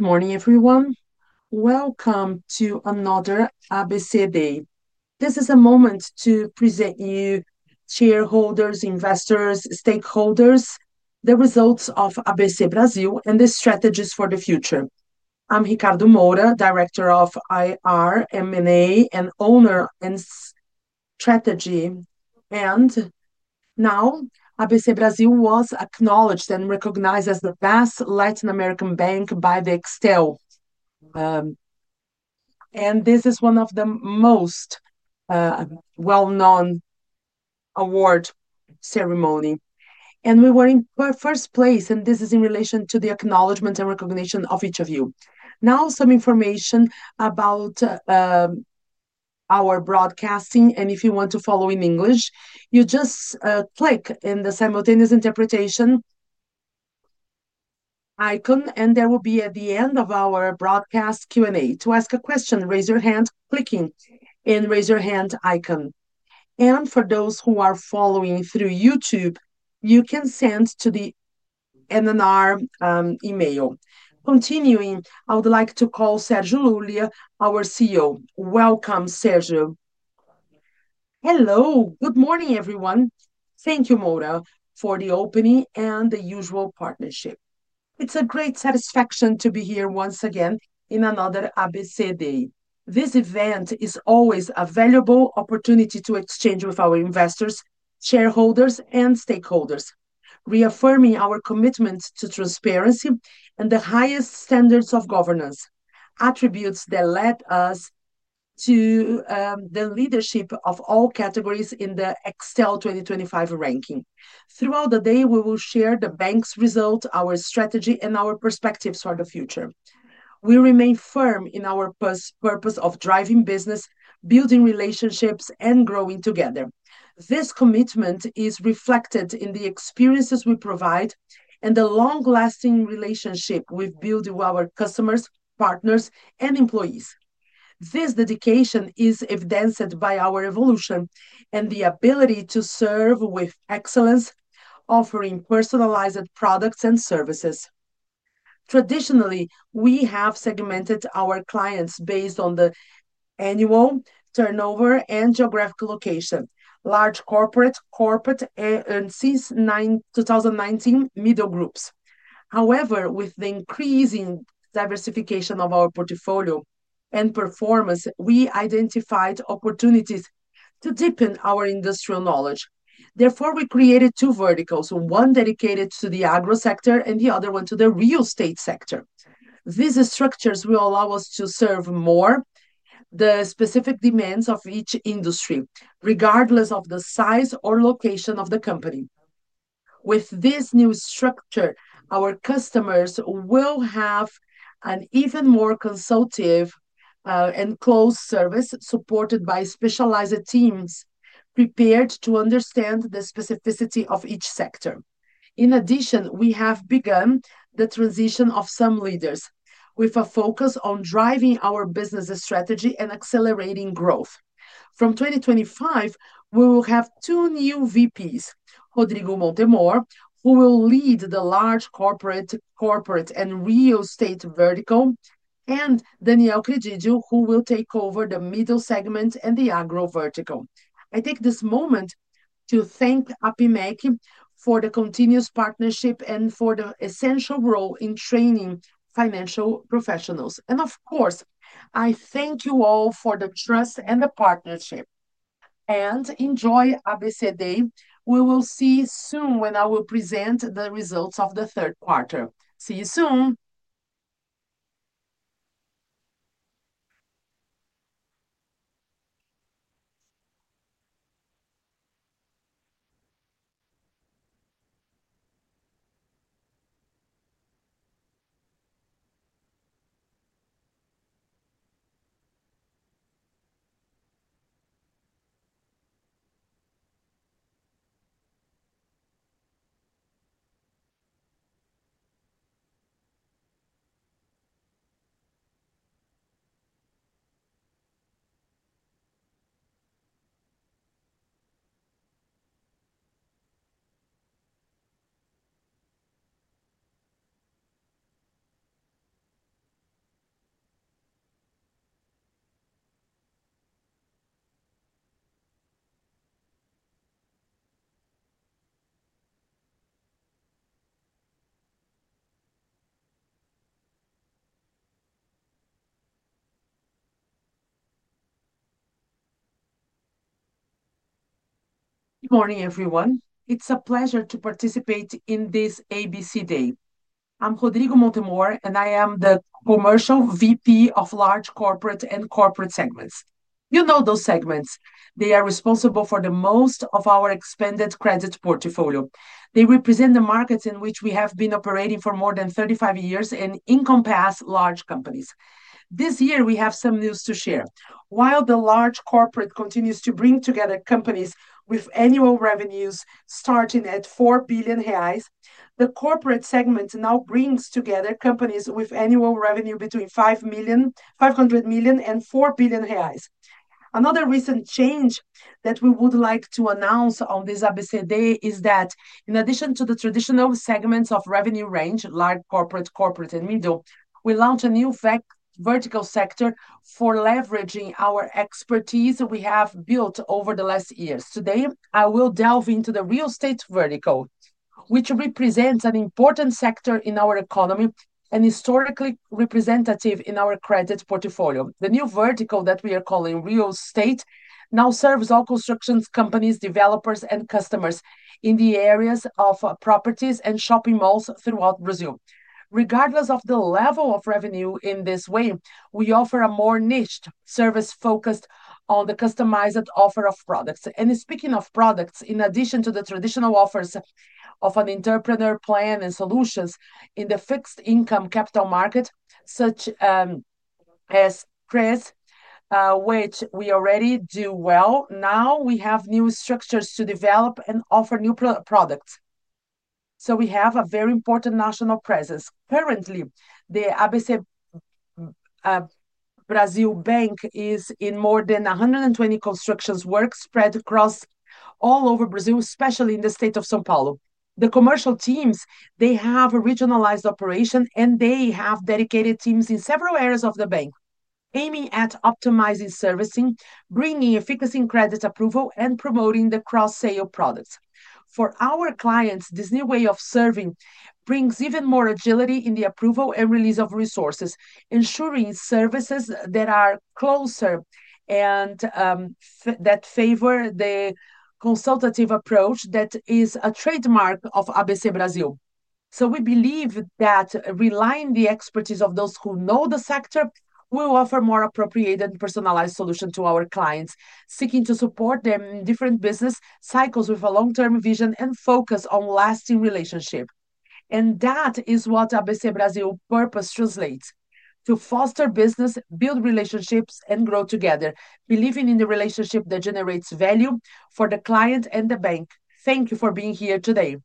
Good morning, everyone. Welcome to another ABC Day. This is a moment to present you, shareholders, investors, stakeholders, the Results of ABC Brasil and the Strategies for the Future. I'm Ricardo Moura, Director of IR, M&A, Owner and Strategy. ABC Brasil was acknowledged and recognized as the best Latin American bank by the Excel. This is one of the most well-known award ceremonies. We were in 1st place, and this is in relation to the acknowledgment and recognition of each of you. Now, some information about our broadcasting. If you want to follow in English, you just click in the simultaneous interpretation icon, and there will be, at the end of our broadcast, Q&A. To ask a question, raise your hand, clicking in the raise your hand icon. For those who are following through YouTube, you can send to the NNR email. Continuing, I would like to call Sergio Lulia, our CEO. Welcome, Sergio. Hello. Good morning, everyone. Thank you, Moura, for the opening and the usual partnership. It is a great satisfaction to be here once again in another ABC Day. This event is always a valuable opportunity to exchange with our investors, shareholders, and stakeholders, reaffirming our commitment to transparency and the highest standards of governance, attributes that led us to the leadership of all categories in the Excel 2025 ranking. Throughout the day, we will share the bank's result, our strategy, and our perspectives for the future. We remain firm in our purpose of driving business, building relationships, and growing together. This commitment is reflected in the experiences we provide and the long-lasting relationship we have built with our customers, partners, and employees. This dedication is evidenced by our evolution and the ability to serve with excellence, offering personalized products and services. Traditionally, we have segmented our clients based on the annual turnover and geographical location: large corporate, corporate, and since 2019, middle groups. However, with the increasing diversification of our portfolio and performance, we identified opportunities to deepen our industrial knowledge. Therefore, we created two verticals: one dedicated to the Agro sector and the other one to the Real Estate sector. These structures will allow us to serve more the specific demands of each industry, regardless of the size or location of the company. With this new structure, our customers will have an even more consultative and close service, supported by specialized teams prepared to understand the specificity of each sector. In addition, we have begun the transition of some leaders with a focus on driving our business strategy and accelerating growth. From 2025, we will have two new VPs, Rodrigo Montemor, who will lead the Large Corporate, Corporate, and Real Estate Vertical, and Daniel Credidio, who will take over the Middle Segment and the Agro Vertical. I take this moment to thank APIMEC for the continuous partnership and for the essential role in training financial professionals. I thank you all for the trust and the partnership. Enjoy ABC Day. We will see you soon when I will present the results of the third quarter. See you soon. Good morning, everyone. It's a pleasure to participate in this ABC Day. I'm Rodrigo Montemor, and I am the Commercial VP of Large Corporate and Corporate Segments. You know those segments. They are responsible for most of our expanded credit portfolio. They represent the markets in which we have been operating for more than 35 years and encompass large companies. This year, we have some news to share. While the large corporate continues to bring together companies with annual revenues starting at 4 billion reais, the corporate segment now brings together companies with annual revenue between 500 million and 4 billion reais. Another recent change that we would like to announce on this ABC Day is that, in addition to the traditional segments of revenue range, large corporate, corporate, and middle, we launch a new vertical sector for leveraging our expertise we have built over the last years. Today, I will delve into the real estate vertical, which represents an important sector in our economy and is historically representative in our credit portfolio. The new vertical that we are calling Real Estate now serves all construction companies, developers, and customers in the areas of properties and shopping malls throughout Brazil. Regardless of the level of revenue, in this way, we offer a more niched service focused on the customized offer of products. Speaking of products, in addition to the traditional offers of an Entrepreneur Plan and solutions in the fixed-income capital market, such as CRES, which we already do well, now we have new structures to develop and offer new products. We have a very important national presence. Currently, ABC Brasil is in more than 120 construction works spread across all over Brazil, especially in the state of São Paulo. The commercial teams, they have a regionalized operation, and they have dedicated teams in several areas of the bank, aiming at optimizing servicing, bringing efficacy in credit approval, and promoting the cross-sale products. For our clients, this new way of serving brings even more agility in the approval and release of resources, ensuring services that are closer and that favor the consultative approach that is a trademark of ABC Brasil. We believe that relying on the expertise of those who know the sector will offer more appropriate and personalized solutions to our clients seeking to support them in different business cycles with a long-term vision and focus on lasting relationships. That is what ABC Brasil purpose translates: to foster business, build relationships, and grow together, believing in the relationship that generates value for the client and the bank. Thank you for being here today.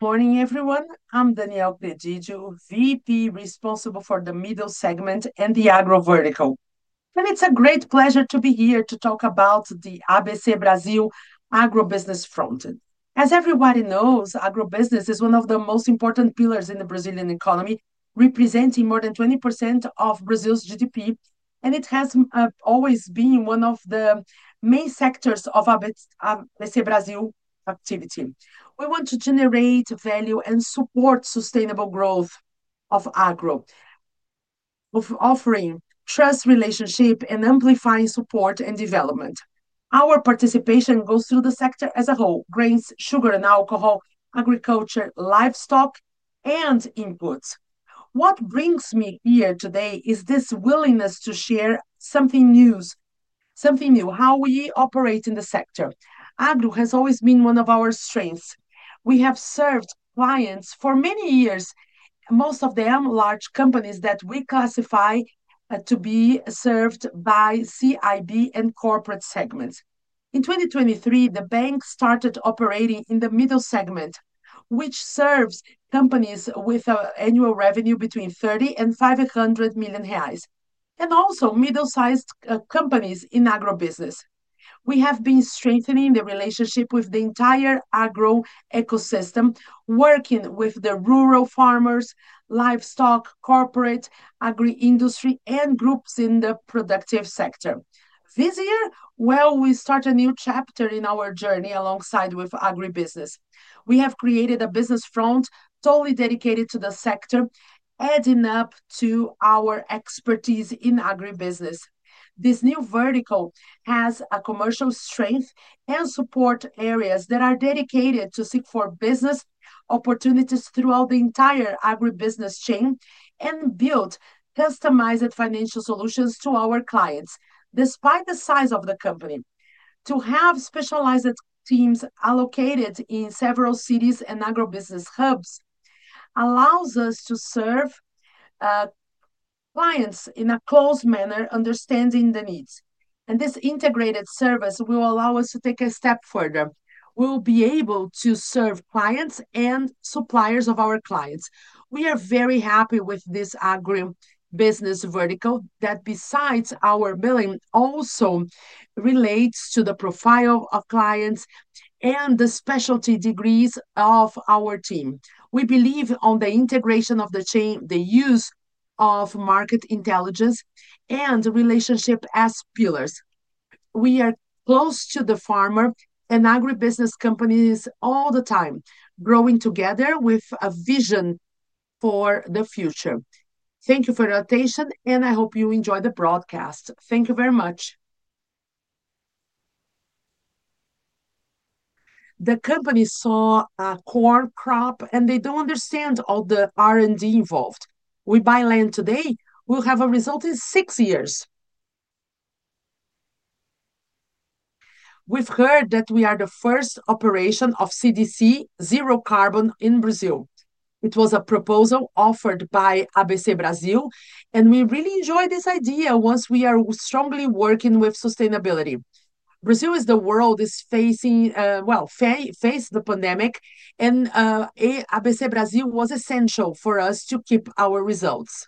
Good morning, everyone. I'm Daniel Credidio, VP responsible for the Middle Segment and the Agro Vertical. It is a great pleasure to be here to talk about the ABC Brasil agrobusiness front. As everybody knows, agrobusiness is one of the most important pillars in the Brazilian economy, representing more than 20% of Brazil's GDP, and it has always been one of the main sectors of ABC Brasil activity. We want to generate value and support sustainable growth of agro, offering trust relationships and amplifying support and development. Our participation goes through the sector as a whole: grains, sugar, and alcohol, agriculture, livestock, and inputs. What brings me here today is this willingness to share something new, how we operate in the sector. Agro has always been one of our strengths. We have served clients for many years, most of them large companies that we classify to be served by CIB and Corporate Segments. In 2023, the bank started operating in the Middle Segment, which serves companies with annual revenue between 30 million and 500 million reais, and also middle-sized companies in agribusiness. We have been strengthening the relationship with the entire agro ecosystem, working with the rural farmers, livestock, corporate, agri-industry, and groups in the productive sector. This year, we start a new chapter in our journey alongside agribusiness. We have created a business front totally dedicated to the sector, adding up to our expertise in agribusiness. This new vertical has a commercial strength and support areas that are dedicated to seek for business opportunities throughout the entire agribusiness chain and build customized financial solutions to our clients. Despite the size of the company, to have specialized teams allocated in several cities and agribusiness hubs allows us to serve clients in a closed manner, understanding the needs. This integrated service will allow us to take a step further. We will be able to serve clients and suppliers of our clients. We are very happy with this Agribusiness Vertical that, besides our billing, also relates to the profile of clients and the specialty degrees of our team. We believe in the integration of the chain, the use of market intelligence, and relationship as pillars. We are close to the farmer and agribusiness companies all the time, growing together with a vision for the future. Thank you for your attention, and I hope you enjoy the broadcast. Thank you very much. The company saw a corn crop, and they do not understand all the R&D involved. We buy land today; we will have a result in six years. We have heard that we are the 1st operation of CDC Zero Carbon in Brazil. It was a proposal offered by ABC Brasil, and we really enjoy this idea once we are strongly working with sustainability. Brazil is the world is facing, well, faced the pandemic, and ABC Brasil was essential for us to keep our results.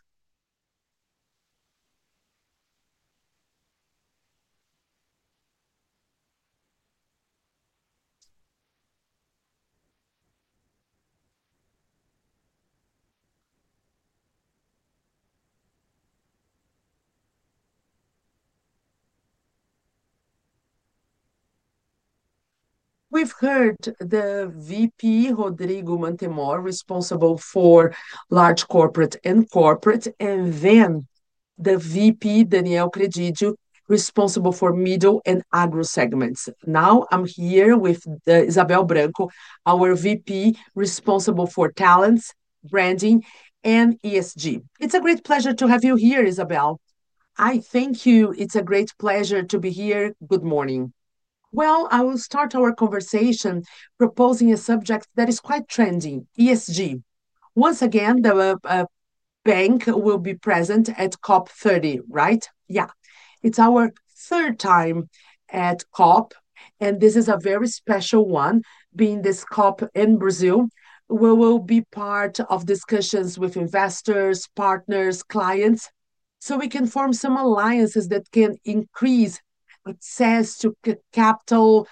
We've heard the VP, Rodrigo Montemor, responsible for Large Corporate and Corporate, and then the VP, Daniel Credidio, responsible for Middle and Agro Segments. Now I'm here with Izabel Branco, our VP responsible for Talents, Branding, and ESG. It's a great pleasure to have you here, Izabel. I thank you. It's a great pleasure to be here. Good morning. I will start our conversation proposing a subject that is quite trendy: ESG. Once again, the bank will be present at COP30, right? Yeah. It's our third time at COP, and this is a very special one, being this COP in Brazil, where we'll be part of discussions with investors, partners, clients, so we can form some alliances that can increase access to capital,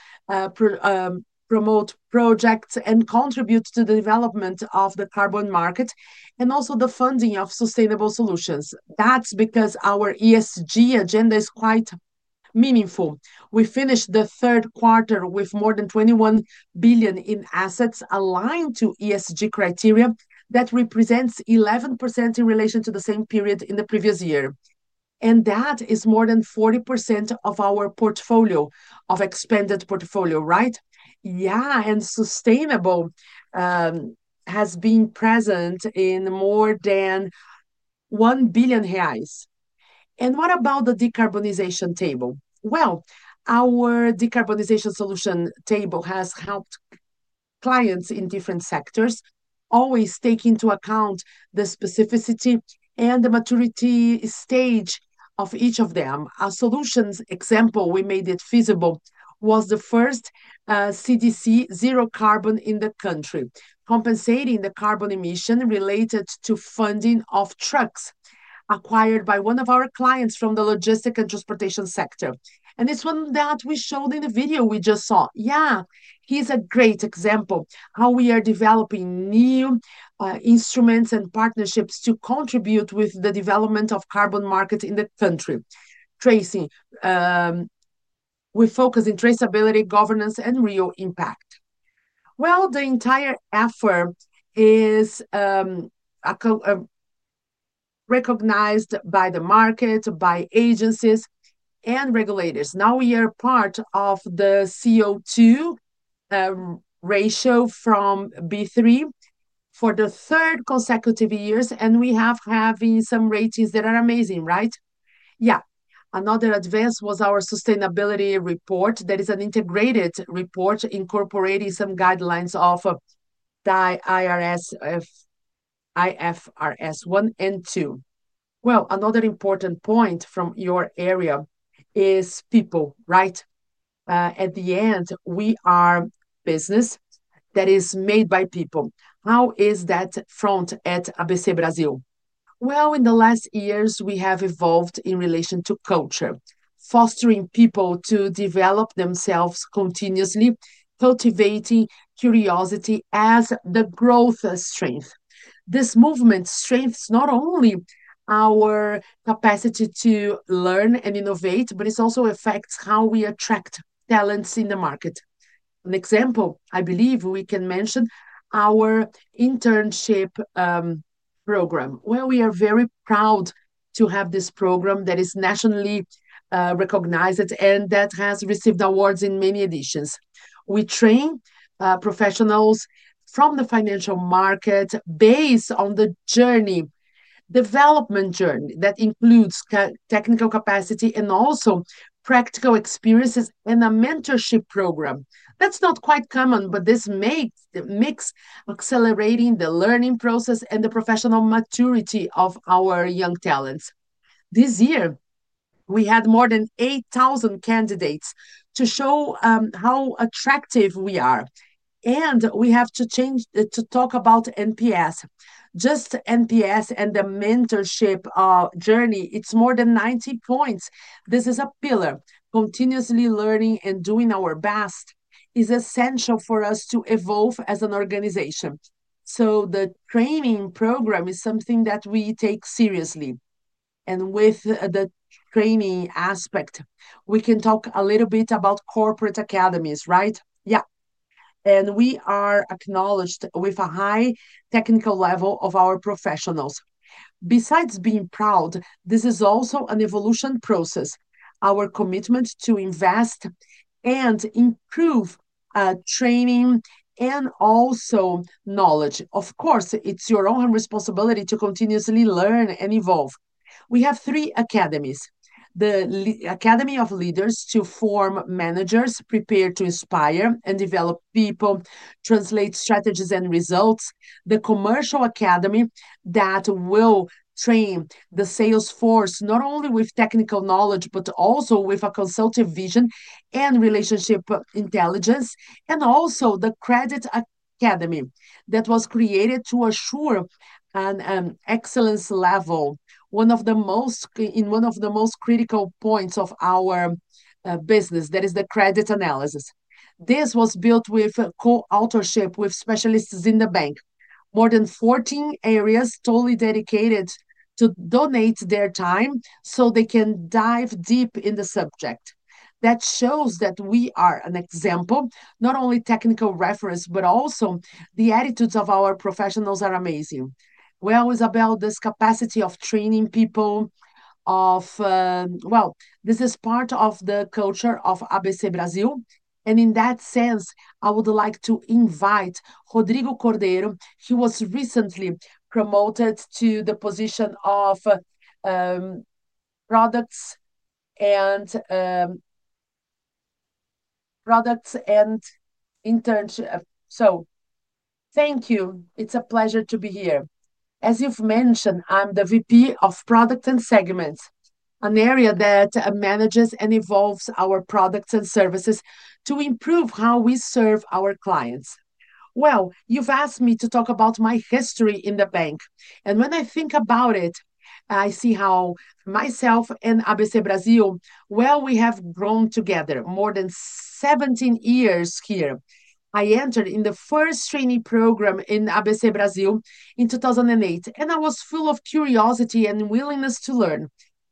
promote projects, and contribute to the development of the carbon market and also the funding of sustainable solutions. That's because our ESG agenda is quite meaningful. We finished the 3rd quarter with more than 21 billion in assets aligned to ESG criteria that represents 11% in relation to the same period in the previous year. That is more than 40% of our portfolio, of expanded portfolio, right? Yeah, and sustainable has been present in more than 1 billion reais. What about the Decarbonization Table? Our Decarbonization Solution Table has helped clients in different sectors always take into account the specificity and the maturity stage of each of them. Our solutions, example, we made it feasible, was the 1st CDC Zero Carbon in the country, compensating the carbon emission related to funding of trucks acquired by one of our clients from the logistics and transportation sector. It is one that we showed in the video we just saw. Yeah, it is a great example of how we are developing new instruments and partnerships to contribute with the development of carbon markets in the country. Tracing, we focus on traceability, governance, and real impact. The entire effort is recognized by the market, by agencies, and regulators. Now we are part of the CO2 ratio from B3 for the 3rd consecutive year, and we have some ratings that are amazing, right? Yeah. Another advance was our sustainability report that is an integrated report incorporating some guidelines of IFRS S1 and two. Another important point from your area is people, right? At the end, we are a business that is made by people. How is that front at ABC Brasil? In the last years, we have evolved in relation to culture, fostering people to develop themselves continuously, cultivating curiosity as the growth strength. This movement strengthens not only our capacity to learn and innovate, but it also affects how we attract talents in the market. An example, I believe we can mention our internship program. We are very proud to have this program that is nationally recognized and that has received awards in many editions. We train professionals from the financial market based on the journey, development journey that includes technical capacity and also practical experiences and a mentorship program. That is not quite common, but this makes accelerating the learning process and the professional maturity of our young talents. This year, we had more than 8,000 candidates to show how attractive we are. We have to change to talk about NPS. Just NPS and the mentorship journey, it's more than 90 points. This is a pillar. Continuously learning and doing our best is essential for us to evolve as an organization. The training program is something that we take seriously. With the training aspect, we can talk a little bit about Corporate Academies, right? Yeah. We are acknowledged with a high technical level of our professionals. Besides being proud, this is also an evolution process. Our commitment to invest and improve training and also knowledge. Of course, it's your own responsibility to continuously learn and evolve. We have three academies: the Academy of Leaders to form managers, prepare to inspire and develop people, translate strategies and results. The Commercial Academy will train the salesforce not only with technical knowledge, but also with a consultative vision and relationship intelligence. Also, the Credit Academy was created to assure an excellence level, in one of the most critical points of our business, that is the credit analysis. This was built with co-authorship with specialists in the bank, more than 14 areas totally dedicated to donate their time so they can dive deep in the subject. That shows that we are an example, not only technical reference, but also the attitudes of our professionals are amazing. Izabel, this capacity of training people, this is part of the culture of ABC Brasil. In that sense, I would like to invite Rodrigo Cordeiro. He was recently promoted to the position of products and internship. Thank you. It's a pleasure to be here. As you've mentioned, I'm the VP of Product and Segments, an area that manages and evolves our products and services to improve how we serve our clients. You've asked me to talk about my history in the bank. When I think about it, I see how myself and ABC Brasil, we have grown together more than 17 years here. I entered in the 1st training program in ABC Brasil in 2008, and I was full of curiosity and willingness to learn.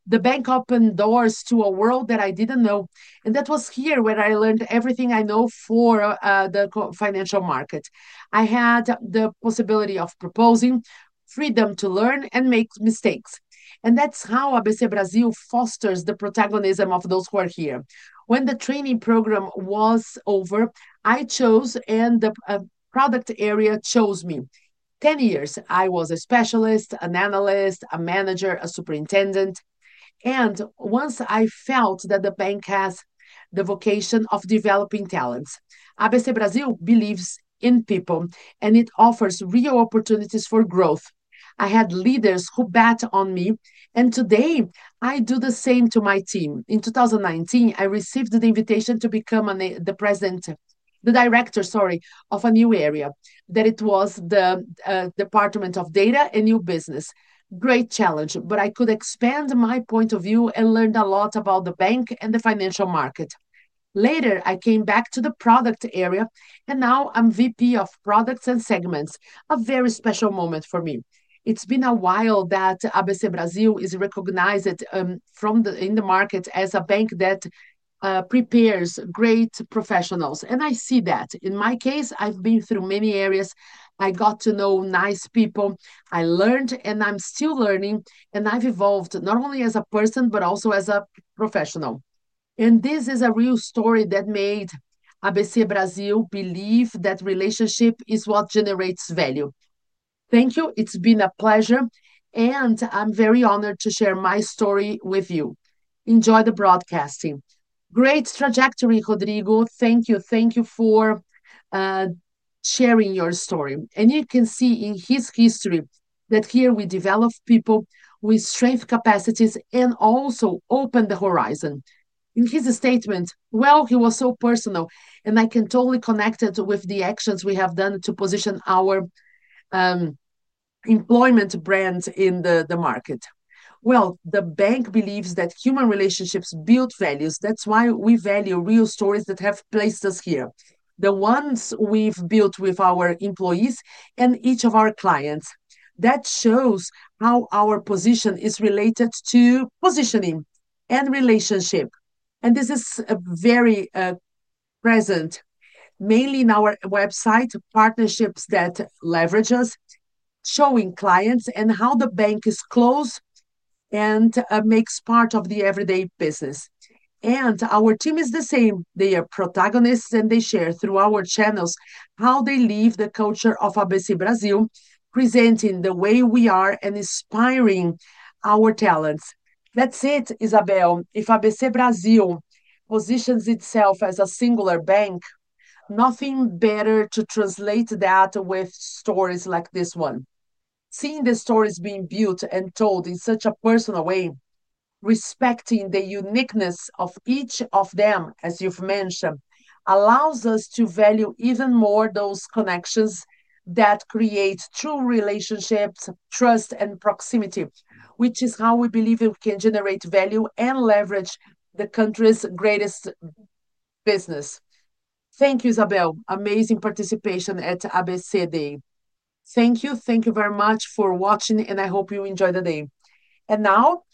The bank opened doors to a world that I didn't know. That was here where I learned everything I know for the financial market. I had the possibility of proposing, freedom to learn, and make mistakes. That is how ABC Brasil fosters the protagonism of those who are here. When the training program was over, I chose and the product area chose me. Ten years, I was a Specialist, an Analyst, a Manager, a Superintendent. Once I felt that the bank has the vocation of developing talents, ABC Brasil believes in people, and it offers real opportunities for growth. I had leaders who bet on me, and today I do the same to my team. In 2019, I received the invitation to become the President, the Director, sorry, of a new area that was the Department of Data and New Business. Great challenge, but I could expand my point of view and learned a lot about the bank and the financial market. Later, I came back to the product area, and now I'm VP of Products and Segments, a very special moment for me. It's been a while that ABC Brasil is recognized in the market as a bank that prepares great professionals. I see that. In my case, I've been through many areas. I got to know nice people. I learned, and I'm still learning, and I've evolved not only as a person, but also as a professional. This is a real story that made ABC Brasil believe that relationship is what generates value. Thank you. It's been a pleasure, and I'm very honored to share my story with you. Enjoy the broadcasting. Great trajectory, Rodrigo. Thank you. Thank you for sharing your story. You can see in his history that here we develop people, we strengthen capacities, and also open the horizon. In his statement, he was so personal, and I can totally connect it with the actions we have done to position our employment brand in the market. The bank believes that human relationships build values. That's why we value real stories that have placed us here, the ones we've built with our employees and each of our clients. That shows how our position is related to positioning and relationship. This is very present, mainly in our website, partnerships that leverage us, showing clients and how the bank is close and makes part of the everyday business. Our team is the same. They are protagonists, and they share through our channels how they live the culture of ABC Brasil, presenting the way we are and inspiring our talents. That's it, Izabel. If ABC Brasil positions itself as a singular bank, nothing better to translate that with stories like this one. Seeing the stories being built and told in such a personal way, respecting the uniqueness of each of them, as you've mentioned, allows us to value even more those connections that create true relationships, trust, and proximity, which is how we believe we can generate value and leverage the country's greatest business. Thank you, Izabel. Amazing participation at ABC Day. Thank you. Thank you very much for watching, and I hope you enjoy the day. Now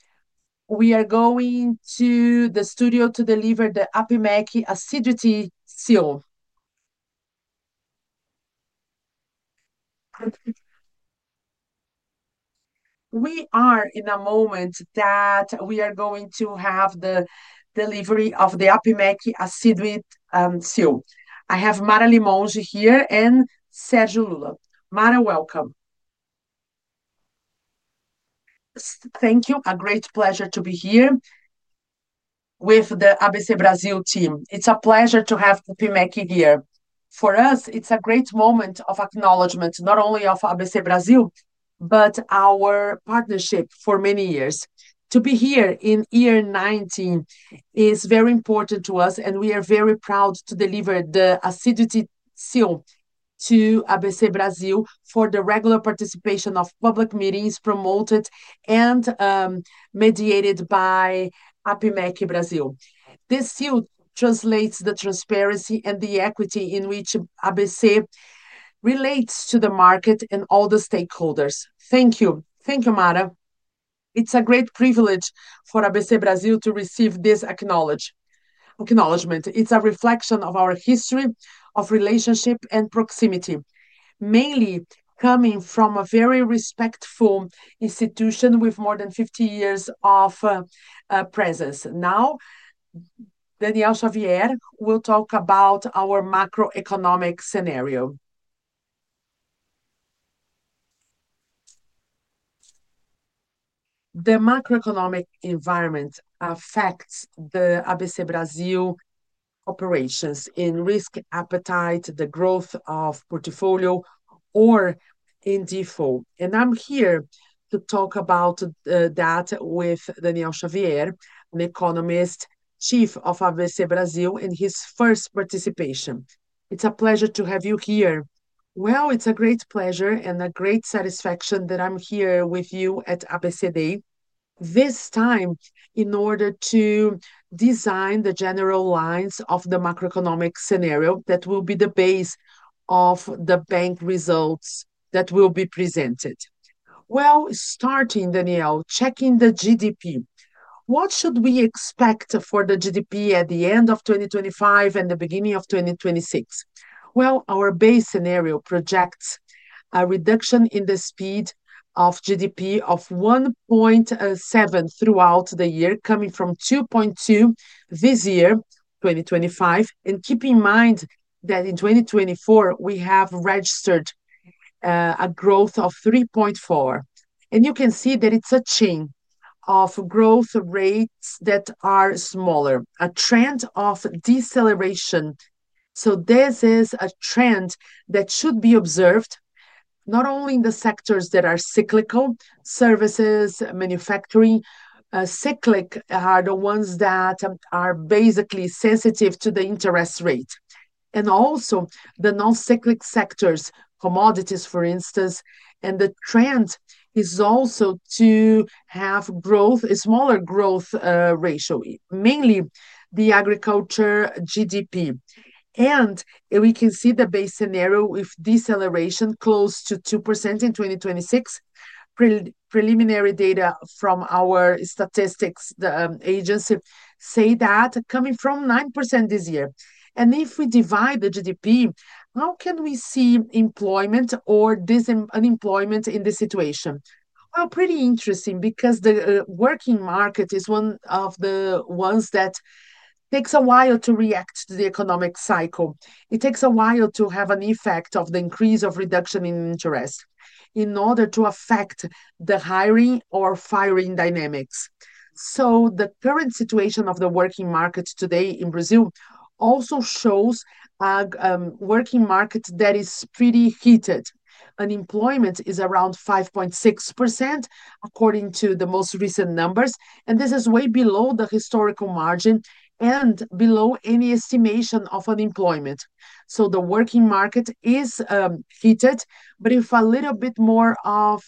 we are going to the studio to deliver the APIMEC Acidity Seal. We are in a moment that we are going to have the delivery of the APIMEC Acidity Seal. I have Mara Louzada here and Sergio Lulia. Mara, welcome. Thank you. A great pleasure to be here with the ABC Brasil team. It's a pleasure to have APIMEC here. For us, it's a great moment of acknowledgment, not only of ABC Brasil, but our partnership for many years. To be here in year 2019 is very important to us, and we are very proud to deliver the APIMEC seal to ABC Brasil for the regular participation of public meetings promoted and mediated by APIMEC Brasil. This seal translates the transparency and the equity in which ABC relates to the market and all the stakeholders. Thank you. Thank you, Mara. It's a great privilege for ABC Brasil to receive this acknowledgment. It's a reflection of our history of relationship and proximity, mainly coming from a very respectful institution with more than 50 years of presence. Now, Daniel Xavier will talk about our macroeconomic scenario. The macroeconomic environment affects the ABC Brasil operations in risk appetite, the growth of portfolio, or in default. I'm here to talk about that with Daniel Xavier, an economist, Chief of ABC Brasil, and his 1st participation. It's a pleasure to have you here. It's a great pleasure and a great satisfaction that I'm here with you at ABC Day this time in order to design the general lines of the macroeconomic scenario that will be the base of the bank results that will be presented. Starting, Daniel, checking the GDP. What should we expect for the GDP at the end of 2025 and the beginning of 2026? Our base scenario projects a reduction in the speed of GDP of 1.7% throughout the year, coming from 2.2% this year, 2025. Keep in mind that in 2024, we have registered a growth of 3.4%. You can see that it is a chain of growth rates that are smaller, a trend of deceleration. This is a trend that should be observed not only in the sectors that are cyclical, services, manufacturing. Cyclical are the ones that are basically sensitive to the interest rate. Also, the non-cyclical sectors, commodities, for instance. The trend is also to have growth, a smaller growth ratio, mainly the agriculture GDP. We can see the base scenario with deceleration close to 2% in 2026. Preliminary data from our statistics agency say that coming from 9% this year. If we divide the GDP, how can we see employment or unemployment in this situation? Pretty interesting because the working market is one of the ones that takes a while to react to the economic cycle. It takes a while to have an effect of the increase or reduction in interest in order to affect the hiring or firing dynamics. The current situation of the working market today in Brazil also shows a working market that is pretty heated. Unemployment is around 5.6%, according to the most recent numbers. This is way below the historical margin and below any estimation of unemployment. The working market is heated, but with a little bit more of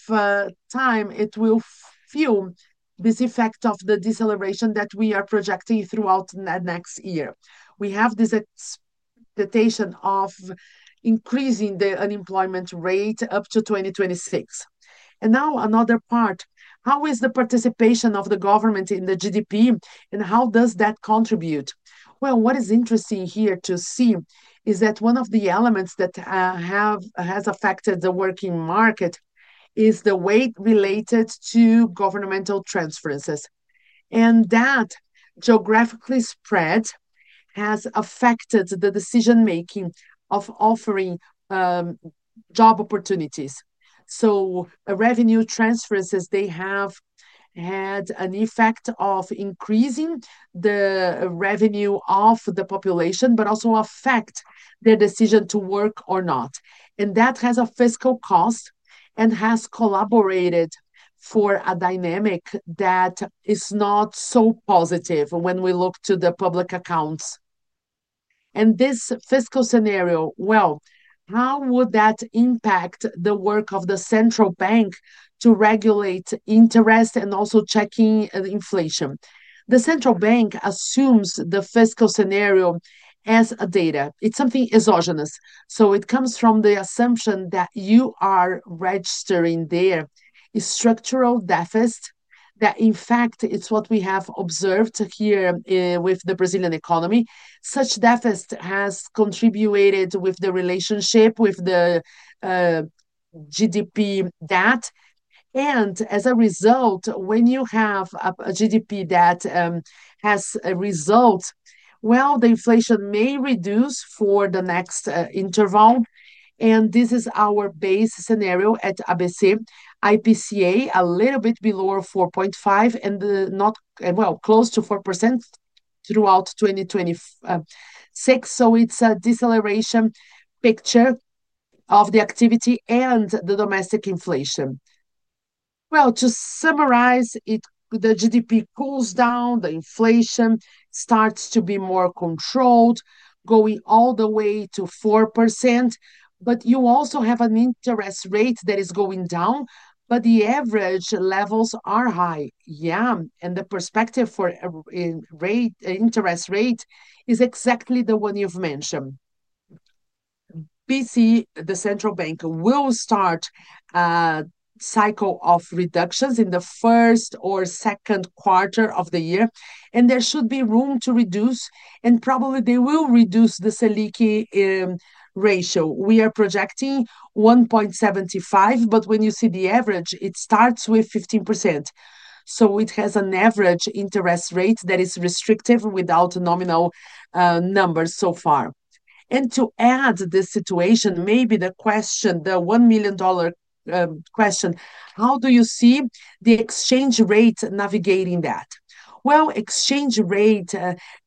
time, it will feel this effect of the deceleration that we are projecting throughout the next year. We have this expectation of increasing the unemployment rate up to 2026. Now another part, how is the participation of the government in the GDP and how does that contribute? What is interesting here to see is that one of the elements that has affected the working market is the weight related to governmental transferences. That geographically spread has affected the decision-making of offering job opportunities. Revenue transferences have had an effect of increasing the revenue of the population, but also affect their decision to work or not. That has a fiscal cost and has collaborated for a dynamic that is not so positive when we look to the public accounts. This fiscal scenario, how would that impact the work of the central bank to regulate interest and also checking inflation? The central bank assumes the fiscal scenario as data. It's something exogenous. It comes from the assumption that you are registering there is structural deficit that, in fact, it's what we have observed here with the Brazilian economy. Such deficit has contributed with the relationship with the GDP debt. As a result, when you have a GDP debt as result, the inflation may reduce for the next interval. This is our base scenario at ABC Brasil, IPCA a little bit below 4.5% and, not, close to 4% throughout 2026. It is a deceleration picture of the activity and the domestic inflation. To summarize, the GDP cools down, the inflation starts to be more controlled, going all the way to 4%. You also have an interest rate that is going down, but the average levels are high. Yeah. The perspective for interest rate is exactly the one you have mentioned. BC, the Central Bank, will start a cycle of reductions in the 1st or 2nd quarter of the year, and there should be room to reduce, and probably they will reduce the Selic rate. We are projecting 1.75, but when you see the average, it starts with 15%. It has an average interest rate that is restrictive without nominal numbers so far. To add this situation, maybe the question, the $1 million question, how do you see the exchange rate navigating that? Exchange rate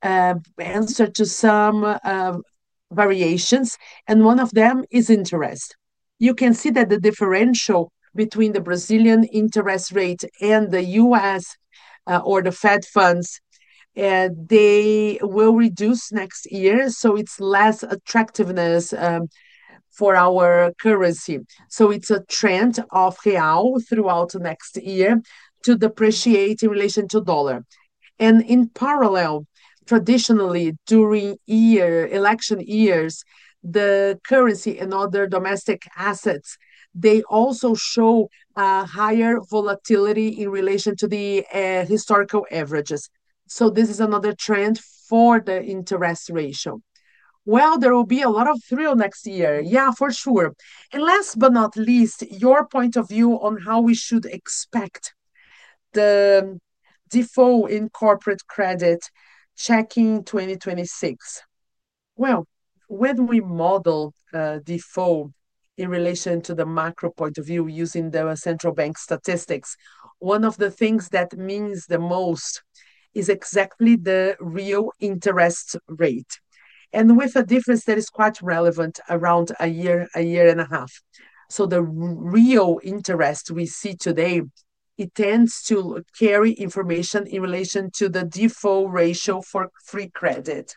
answers to some variations, and one of them is interest. You can see that the differential between the Brazilian interest rate and the U.S. or the Fed funds, they will reduce next year. It is less attractiveness for our currency. It is a trend of real throughout the next year to depreciate in relation to dollar. In parallel, traditionally during election years, the currency and other domestic assets, they also show a higher volatility in relation to the historical averages. This is another trend for the interest ratio. There will be a lot of thrill next year. Yeah, for sure. Last but not least, your point of view on how we should expect the default in corporate credit checking 2026. When we model default in relation to the macro point of view using the central bank statistics, one of the things that means the most is exactly the real interest rate. With a difference that is quite relevant around a year, a year and a half. The real interest we see today, it tends to carry information in relation to the default ratio for free credit.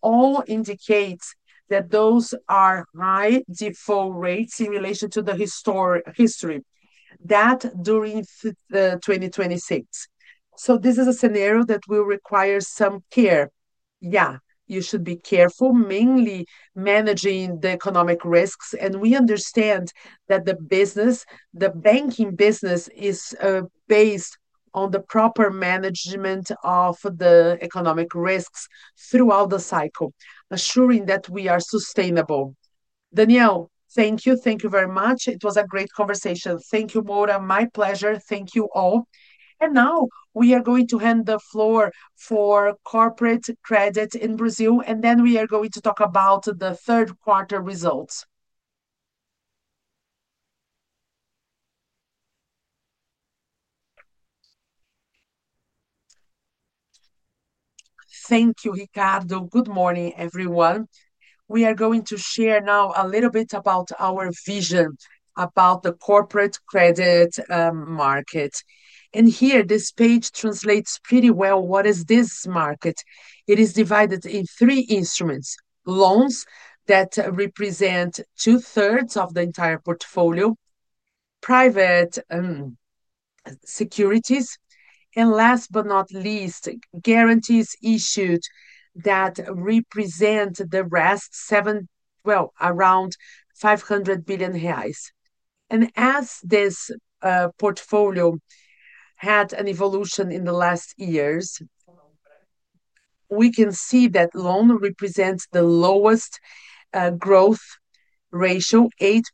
All indicates that those are high default rates in relation to the history that during 2026. This is a scenario that will require some care. Yeah, you should be careful, mainly managing the economic risks. We understand that the business, the banking business, is based on the proper management of the economic risks throughout the cycle, assuring that we are sustainable. Daniel, thank you. Thank you very much. It was a great conversation. Thank you, Mara. My pleasure. Thank you all. Now we are going to hand the floor for corporate credit in Brazil. We are going to talk about the 3rd quarter results. Thank you, Ricardo. Good morning, everyone. We are going to share now a little bit about our vision about the corporate credit market. Here, this page translates pretty well. What is this market? It is divided in three instruments: loans that represent 2/3 of the entire portfolio, private securities, and last but not least, guarantees issued that represent the rest, around 500 billion reais. As this portfolio had an evolution in the last years, we can see that loan represents the lowest growth ratio, 8%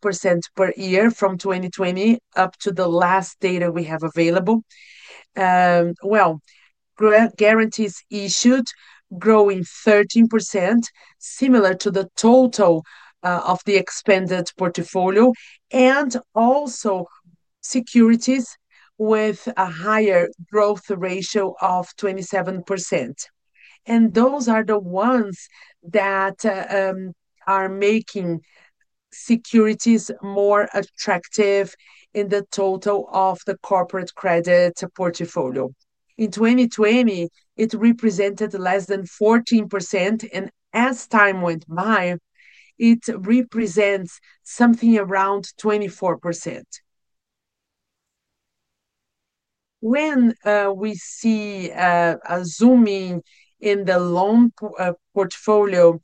per year from 2020 up to the last data we have available. Guarantees issued growing 13%, similar to the total of the expanded portfolio, and also securities with a higher growth ratio of 27%. Those are the ones that are making securities more attractive in the total of the corporate credit portfolio. In 2020, it represented less than 14%, and as time went by, it represents something around 24%. When we see a zooming in the loan portfolio,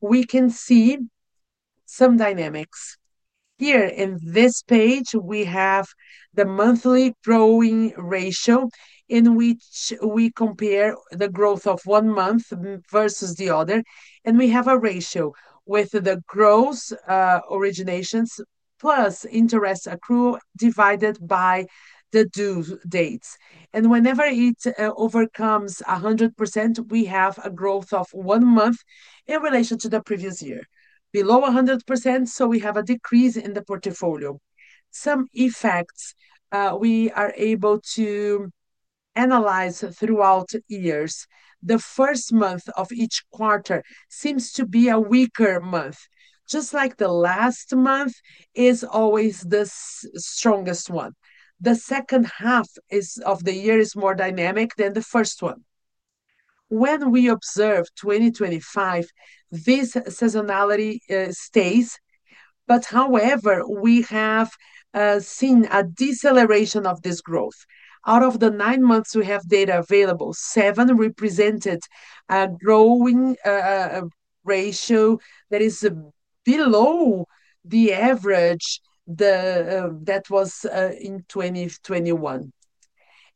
we can see some dynamics. Here in this page, we have the monthly growing ratio in which we compare the growth of one month versus the other. We have a ratio with the gross originations plus interest accrual divided by the due dates. Whenever it overcomes 100%, we have a growth of one month in relation to the previous year. Below 100%, we have a decrease in the portfolio. Some effects we are able to analyze throughout years. The 1st month of each quarter seems to be a weaker month, just like the last month is always the strongest one. The 2nd half of the year is more dynamic than the 1sr one. When we observe 2025, this seasonality stays. However, we have seen a deceleration of this growth. Out of the nine months we have data available, seven represented a growing ratio that is below the average that was in 2021.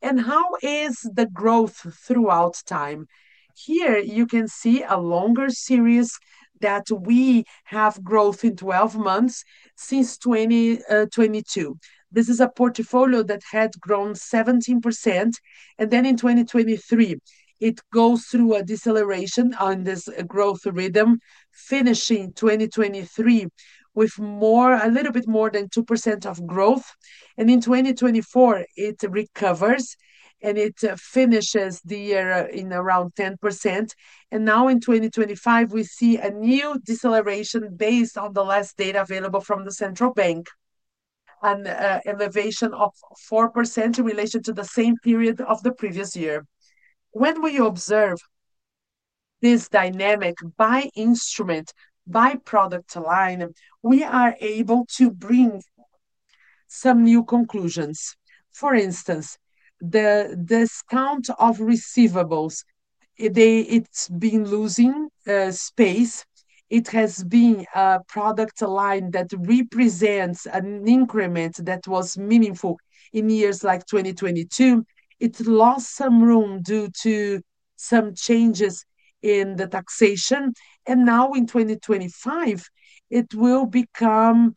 How is the growth throughout time? Here you can see a longer series that we have growth in 12 months since 2022. This is a portfolio that had grown 17%. In 2023, it goes through a deceleration on this growth rhythm, finishing 2023 with a little bit more than 2% of growth. In 2024, it recovers and it finishes the year in around 10%. In 2025, we see a new deceleration based on the last data available from the central bank, an elevation of 4% in relation to the same period of the previous year. When we observe this dynamic by instrument, by product line, we are able to bring some new conclusions. For instance, the discount of receivables, it is been losing space. It has been a product line that represents an increment that was meaningful in years like 2022. It lost some room due to some changes in the taxation. In 2025, it will become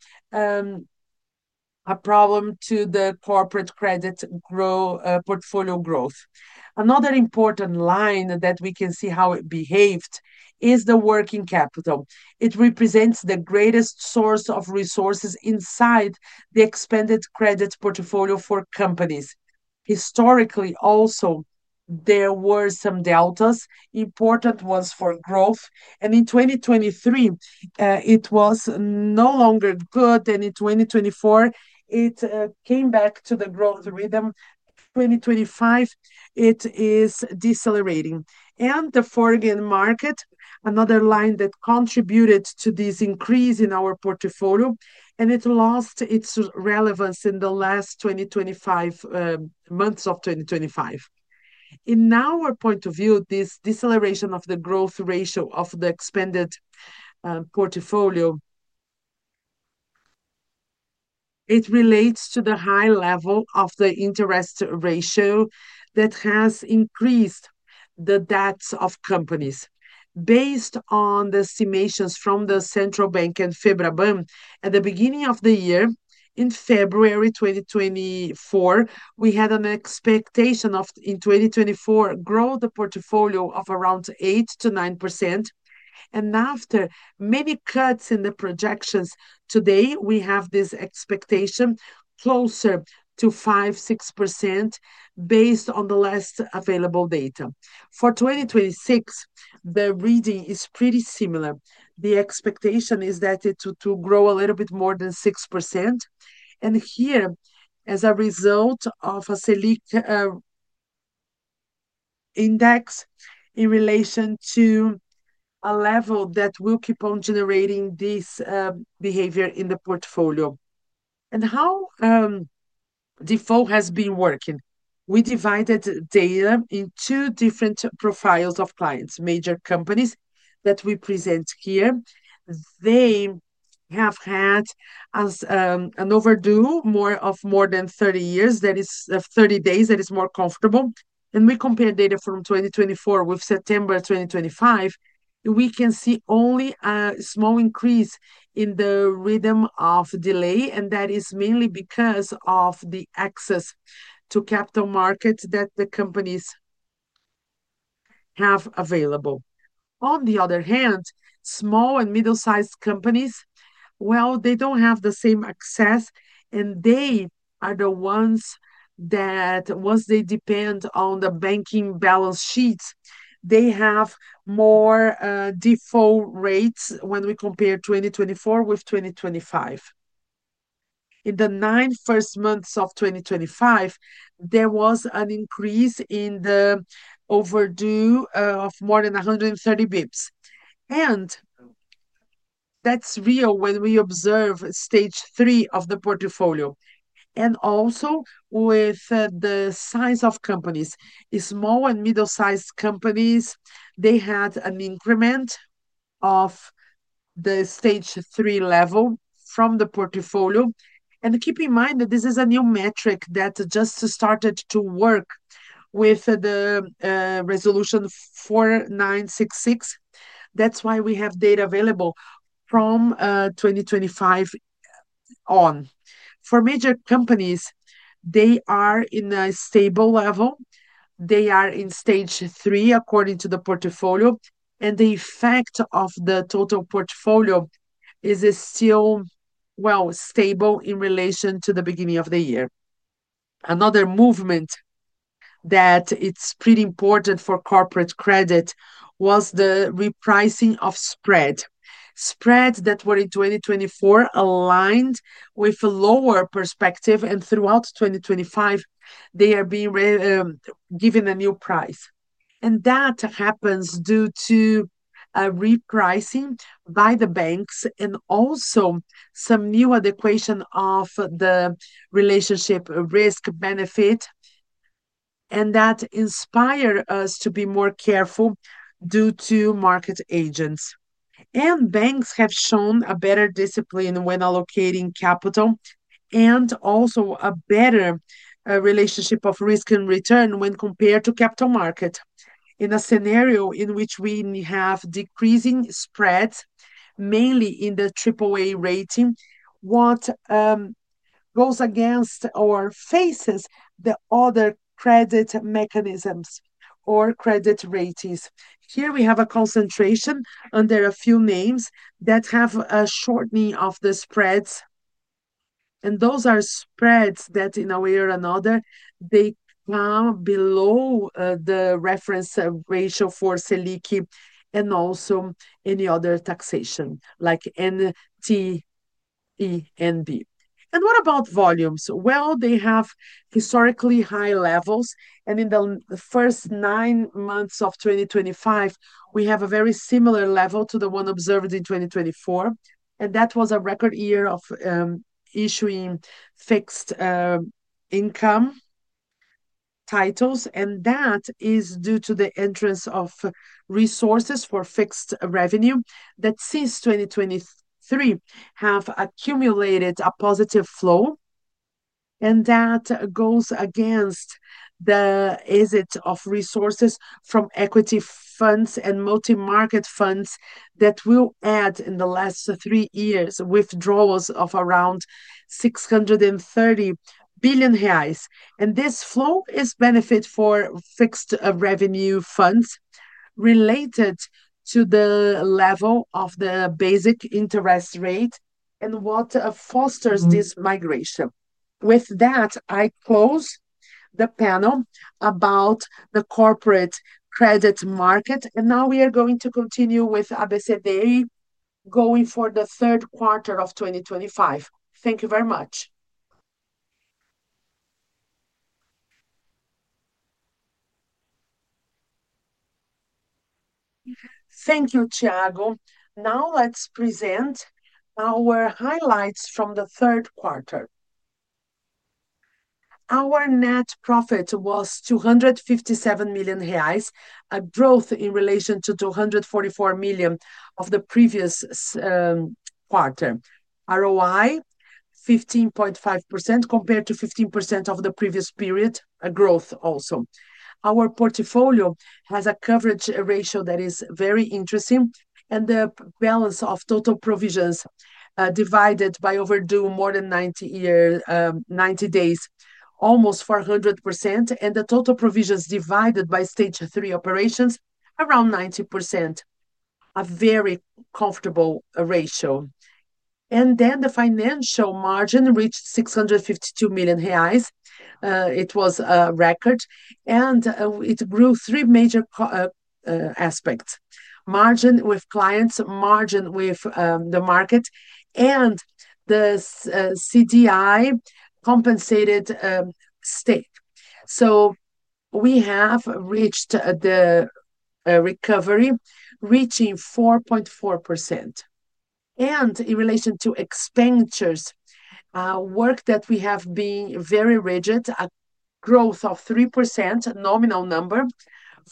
a problem to the corporate credit portfolio growth. Another important line that we can see how it behaved is the working capital. It represents the greatest source of resources inside the expanded credit portfolio for companies. Historically, also there were some deltas, important ones for growth. In 2023, it was no longer good. In 2024, it came back to the growth rhythm. In 2025, it is decelerating. The foreign market, another line that contributed to this increase in our portfolio, lost its relevance in the last 25 months of 2025. In our point of view, this deceleration of the growth ratio of the expanded portfolio, it relates to the high level of the interest ratio that has increased the debts of companies. Based on the estimations from the Central Bank and FEBRABAN, at the beginning of the year, in February 2024, we had an expectation of, in 2024, grow the portfolio of around 8%-9%. After many cuts in the projections, today we have this expectation closer to 5%-6% based on the last available data. For 2026, the reading is pretty similar. The expectation is that it will grow a little bit more than 6%. Here, as a result of a Selic index in relation to a level that will keep on generating this behavior in the portfolio. How default has been working? We divided data into two different profiles of clients, major companies that we present here. They have had an overdue more of more than 30 years, that is 30 days that is more comfortable. We compare data from 2024 with September 2025. We can see only a small increase in the rhythm of delay. That is mainly because of the access to capital markets that the companies have available. On the other hand, small and middle-sized companies, they do not have the same access. They are the ones that, once they depend on the banking balance sheets, have more default rates when we compare 2024 with 2025. In the 1st nine months of 2025, there was an increase in the overdue of more than 130 bps. That is real when we observe stage three of the portfolio. Also, with the size of companies, small and middle-sized companies had an increment of the stage three level from the portfolio. Keep in mind that this is a new metric that just started to work with the resolution 4966. That is why we have data available from 2025 on. For major companies, they are in a stable level. They are in stage three, according to the portfolio. The effect of the total portfolio is still, stable in relation to the beginning of the year. Another movement that is pretty important for corporate credit was the repricing of spread. Spread that were in 2024 aligned with a lower perspective. Throughout 2025, they are being given a new price. That happens due to repricing by the banks and also some new adequation of the relationship risk-benefit. That inspired us to be more careful due to market agents. Banks have shown a better discipline when allocating capital and also a better relationship of risk and return when compared to capital market. In a scenario in which we have decreasing spreads, mainly in the AAA rating, what goes against or faces the other credit mechanisms or credit ratings. Here we have a concentration under a few names that have a shortening of the spreads. And those are spreads that in a way or another, they come below the reference ratio for Selic and also any other taxation like NTN-B. What about volumes? They have historically high levels. In the 1st nine months of 2025, we have a very similar level to the one observed in 2024. That was a record year of issuing fixed income titles. That is due to the entrance of resources for fixed revenue that since 2023 have accumulated a positive flow. That goes against the exit of resources from equity funds and multi-market funds that will add in the last three years withdrawals of around 630 billion reais. This flow is benefit for fixed revenue funds related to the level of the basic interest rate and what fosters this migration. With that, I close the panel about the corporate credit market. Now we are going to continue with ABC Brasil going for the 3rd quarter of 2025. Thank you very much. Thank you, Tiago. Now let's present our highlights from the 3rd quarter. Our net profit was 257 million reais, a growth in relation to 244 million of the previous quarter. ROE, 15.5% compared to 15% of the previous period, a growth also. Our portfolio has a coverage ratio that is very interesting. The balance of total provisions divided by overdue more than 90 days, almost 400%. The total provisions divided by stage three operations, around 90%, a very comfortable ratio. The financial margin reached 652 million reais. It was a record. It grew three major aspects: margin with clients, margin with the market, and the CDI compensated state. We have reached the recovery, reaching 4.4%. In relation to expenditures, work that we have been very rigid, a growth of 3% nominal number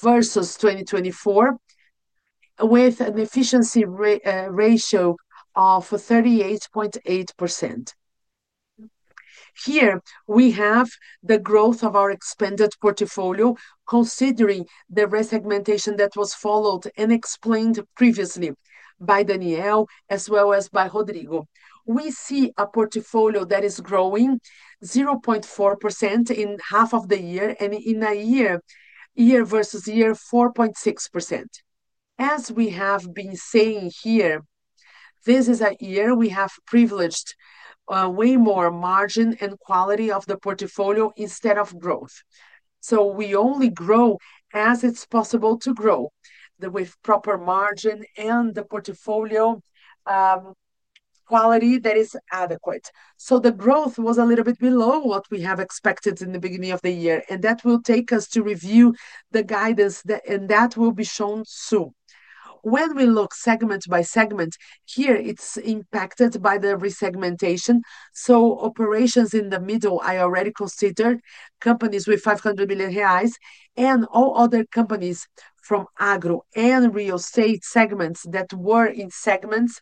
versus 2024, with an efficiency ratio of 38.8%. Here we have the growth of our expanded portfolio, considering the resegmentation that was followed and explained previously by Daniel as well as by Rodrigo. We see a portfolio that is growing 0.4% in half of the year and in a year year versus year 4.6%. As we have been saying here, this is a year we have privileged way more margin and quality of the portfolio instead of growth. We only grow as it's possible to grow with proper margin and the portfolio quality that is adequate. The growth was a little bit below what we have expected in the beginning of the year. That will take us to review the guidance that will be shown soon. When we look segment by segment, here it's impacted by the resegmentation. Operations in the middle already considered companies with 500 million reais and all other companies from agribusiness and real estate segments that were in segments,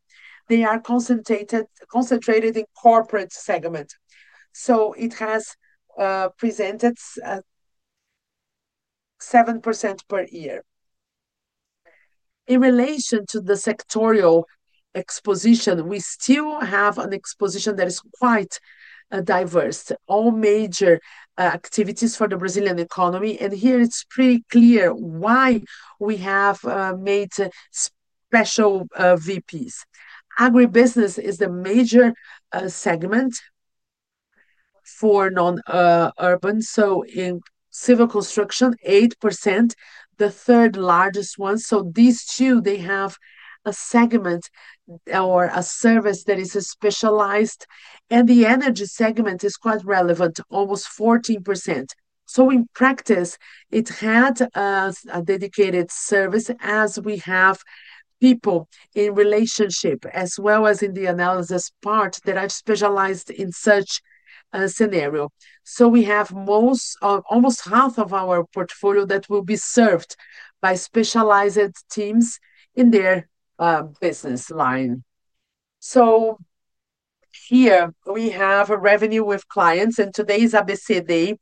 they are concentrated in the corporate segment. It has presented 7% per year. In relation to the sectorial exposition, we still have an exposition that is quite diverse, all major activities for the Brazilian economy. Here it's pretty clear why we have made special VPs. Agribusiness is the major segment for non-urban. In civil construction, 8%, the third largest one. These two have a segment or a service that is specialized. The energy segment is quite relevant, almost 14%. In practice, it had a dedicated service as we have people in relationship as well as in the analysis part that have specialized in such a scenario. We have almost half of our portfolio that will be served by specialized teams in their business line. Here we have a revenue with clients in today's ABCD.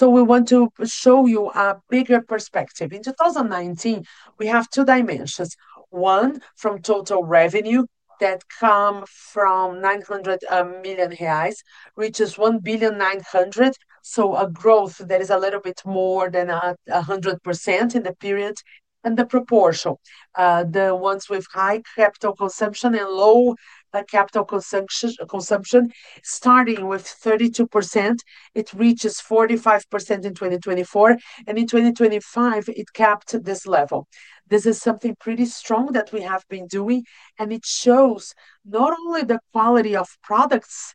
We want to show you a bigger perspective. In 2019, we have two dimensions. One from total revenue that comes from 900 million reais, which is 1 billion 900. A growth that is a little bit more than 100% in the period. The proportion, the ones with high capital consumption and low capital consumption, starting with 32%, it reaches 45% in 2024. In 2025, it capped this level. This is something pretty strong that we have been doing. It shows not only the quality of products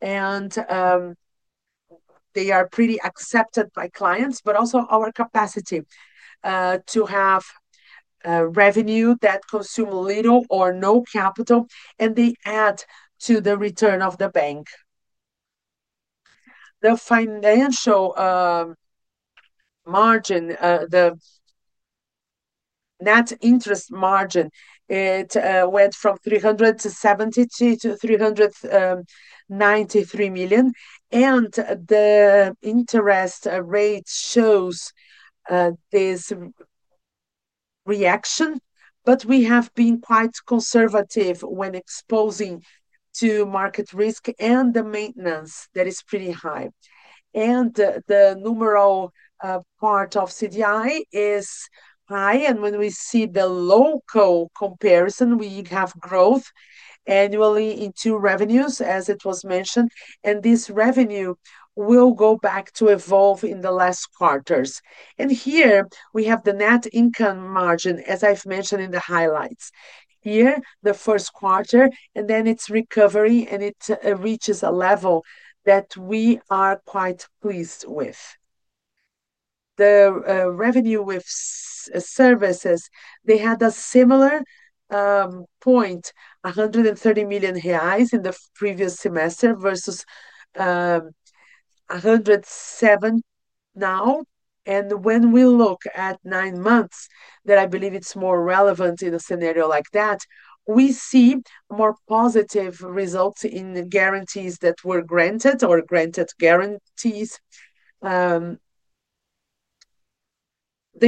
and they are pretty accepted by clients, but also our capacity to have revenue that consumes little or no capital. They add to the return of the bank. The financial margin, the net interest margin, it went from 370 million-393 million. The interest rate shows this reaction. We have been quite conservative when exposing to market risk and the maintenance that is pretty high. The numerical part of CDI is high. When we see the local comparison, we have growth annually into revenues, as it was mentioned. This revenue will go back to evolve in the last quarters. Here we have the net income margin, as I have mentioned in the highlights. Here the 1st quarter, and then its recovery, and it reaches a level that we are quite pleased with. The revenue with services, they had a similar point, 130 million reais in the previous semester versus 107 million now. When we look at nine months, that I believe is more relevant in a scenario like that, we see more positive results in guarantees that were granted or granted guarantees. The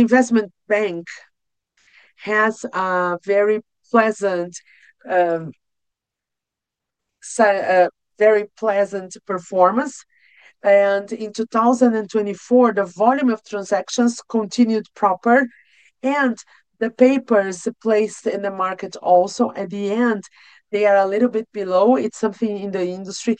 investment bank has a very pleasant performance. In 2024, the volume of transactions continued proper. The papers placed in the market also. At the end, they are a little bit below. It is something in the industry.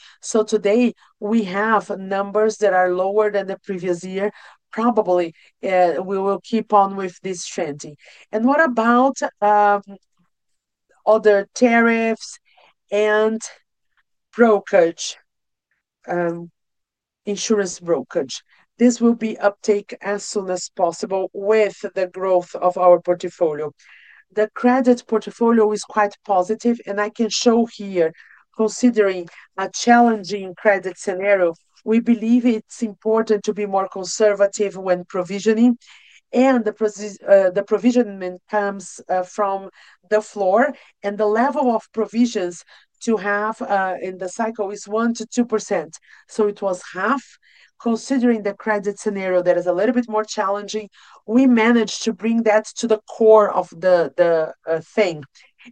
Today we have numbers that are lower than the previous year. Probably we will keep on with this trend. What about other tariffs and insurance brokerage? This will be uptake as soon as possible with the growth of our portfolio. The credit portfolio is quite positive. I can show here, considering a challenging credit scenario, we believe it is important to be more conservative when provisioning. The provision comes from the floor, and the level of provisions to have in the cycle is 1-2%. It was half. Considering the credit scenario that is a little bit more challenging, we managed to bring that to the core of the thing.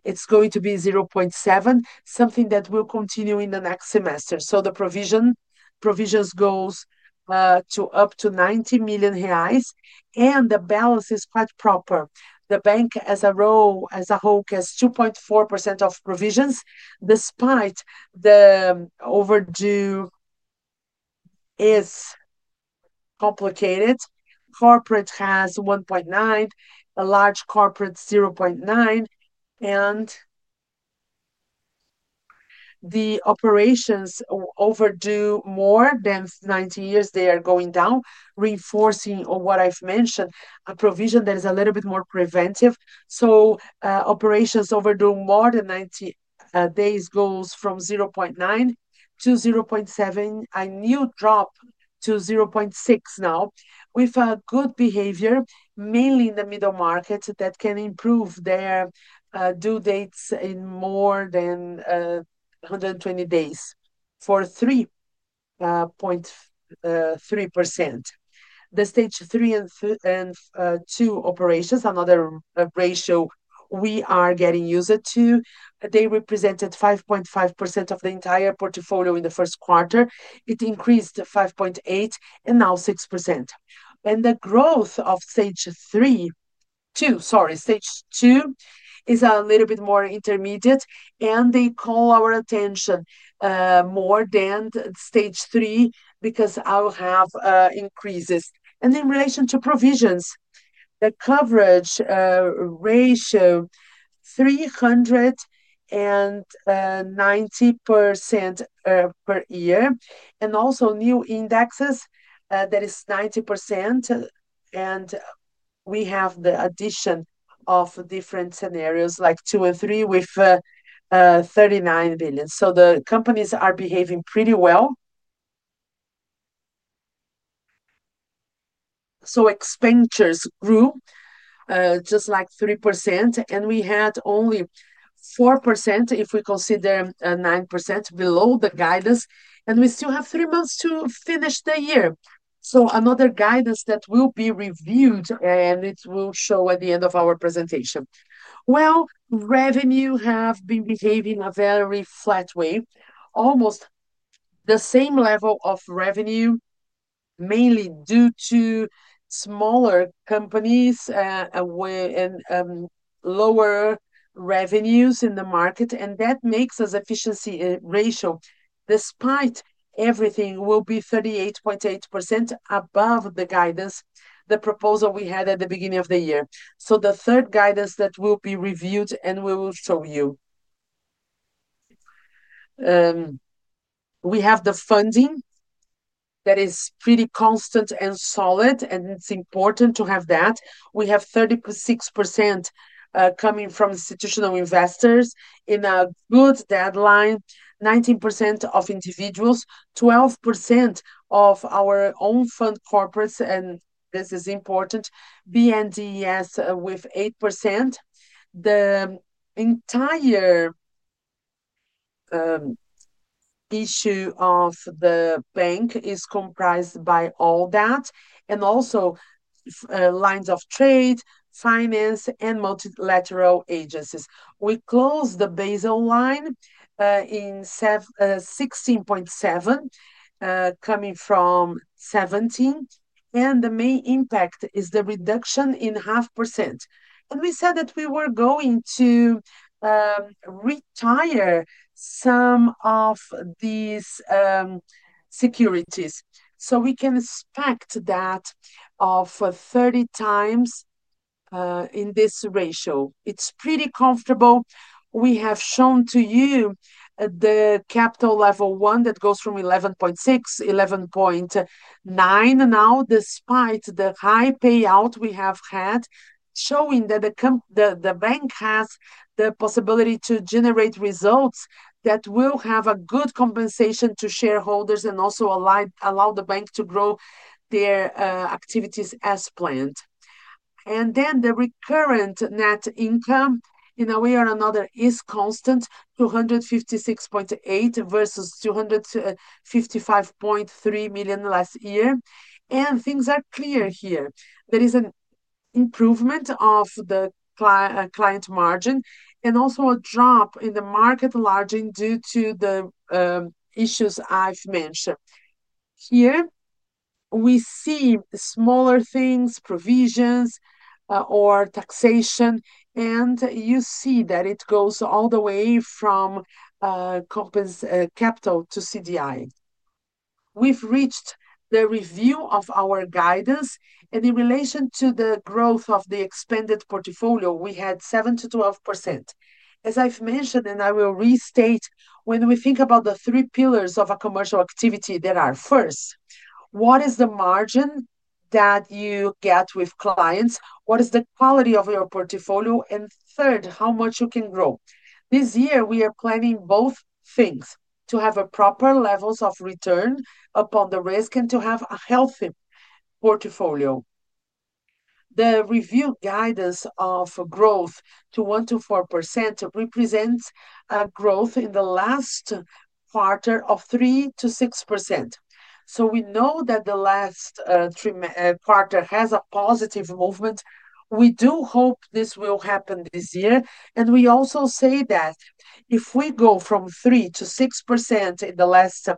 It is going to be 0.7%, something that will continue in the next semester. The provision goes up to 90 million reais. The balance is quite proper. The bank as a whole has 2.4% of provisions. Despite the overdue is complicated. Corporate has 1.9, a large corporate 0.9. The operations overdue more than 90 years, they are going down, reinforcing what I've mentioned, a provision that is a little bit more preventive. Operations overdue more than 90 days goes from 0.9-0.7, a new drop to 0.6 now, with good behavior, mainly in the middle market that can improve their due dates in more than 120 days for 3.3%. The stage three and two operations, another ratio we are getting used to, they represented 5.5% of the entire portfolio in the 1st quarter. It increased 5.8% and now 6%. The growth of stage three, two, sorry, stage two is a little bit more intermediate. They call our attention more than stage three because I will have increases. In relation to provisions, the coverage ratio, 390% per year. Also new indexes that is 90%. We have the addition of different scenarios like two and three with 39 billion. The companies are behaving pretty well. Expenditures grew just like 3%. We had only 4% if we consider 9% below the guidance. We still have three months to finish the year. Another guidance will be reviewed and it will show at the end of our presentation. Revenue has been behaving in a very flat way, almost the same level of revenue, mainly due to smaller companies and lower revenues in the market. That makes our efficiency ratio, despite everything, 38.8% above the guidance, the proposal we had at the beginning of the year. The third guidance will be reviewed and we will show you. We have the funding that is pretty constant and solid, and it is important to have that. We have 36% coming from institutional investors in a good deadline, 19% of individuals, 12% of our own fund corporates. This is important, BNDES with 8%. The entire issue of the bank is comprised by all that, and also lines of trade, finance, and multilateral agencies. We closed the baseline in 16.7 coming from 17. The main impact is the reduction in half percent. We said that we were going to retire some of these securities. We can expect that of 30 times in this ratio. It is pretty comfortable. We have shown to you the capital level one that goes from 11.6, 11.9 now, despite the high payout we have had, showing that the bank has the possibility to generate results that will have a good compensation to shareholders and also allow the bank to grow their activities as planned. The recurrent net income, in a way or another, is constant, 256.8 million versus 255.3 million last year. Things are clear here. There is an improvement of the client margin and also a drop in the market margin due to the issues I have mentioned. Here we see smaller things, provisions or taxation. You see that it goes all the way from capital to CDI. We have reached the review of our guidance. In relation to the growth of the expanded portfolio, we had 7-12%. As I have mentioned, and I will restate, when we think about the three pillars of a commercial activity, there are, first, what is the margin that you get with clients? What is the quality of your portfolio? Third, how much you can grow. This year, we are planning both things to have proper levels of return upon the risk and to have a healthy portfolio. The review guidance of growth to 1-4% represents a growth in the last quarter of 3-6%. We know that the last quarter has a positive movement. We do hope this will happen this year. We also say that if we go from 3-6% in the last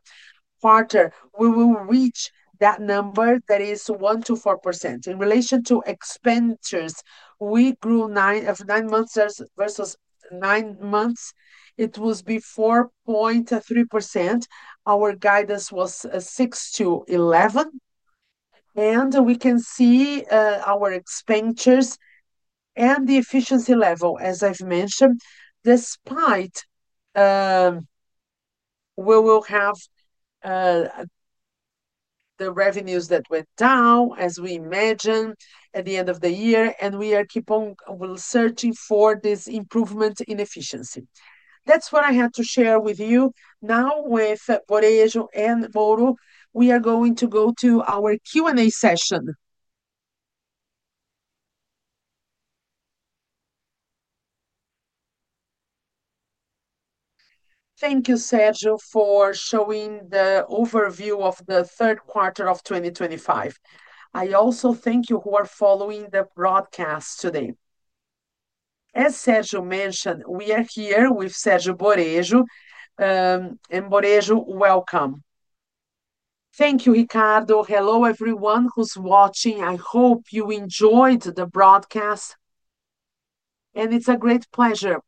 quarter, we will reach that number that is 1-4%. In relation to expenditures, we grew nine months versus nine months. It was before 0.3%. Our guidance was 6-11%. We can see our expenditures and the efficiency level, as I have mentioned, despite we will have the revenues that went down, as we imagined, at the end of the year. We are keeping on searching for this improvement in efficiency. That's what I had to share with you. Now, with Borejo and Mara, we are going to go to our Q&A session. Thank you, Sergio, for showing the overview of the 3rd quarter of 2025. I also thank you who are following the broadcast today. As Sergio mentioned, we are here with Sergio Borejo. Borejo, welcome. Thank you, Ricardo. Hello, everyone who's watching. I hope you enjoyed the broadcast. It's a great pleasure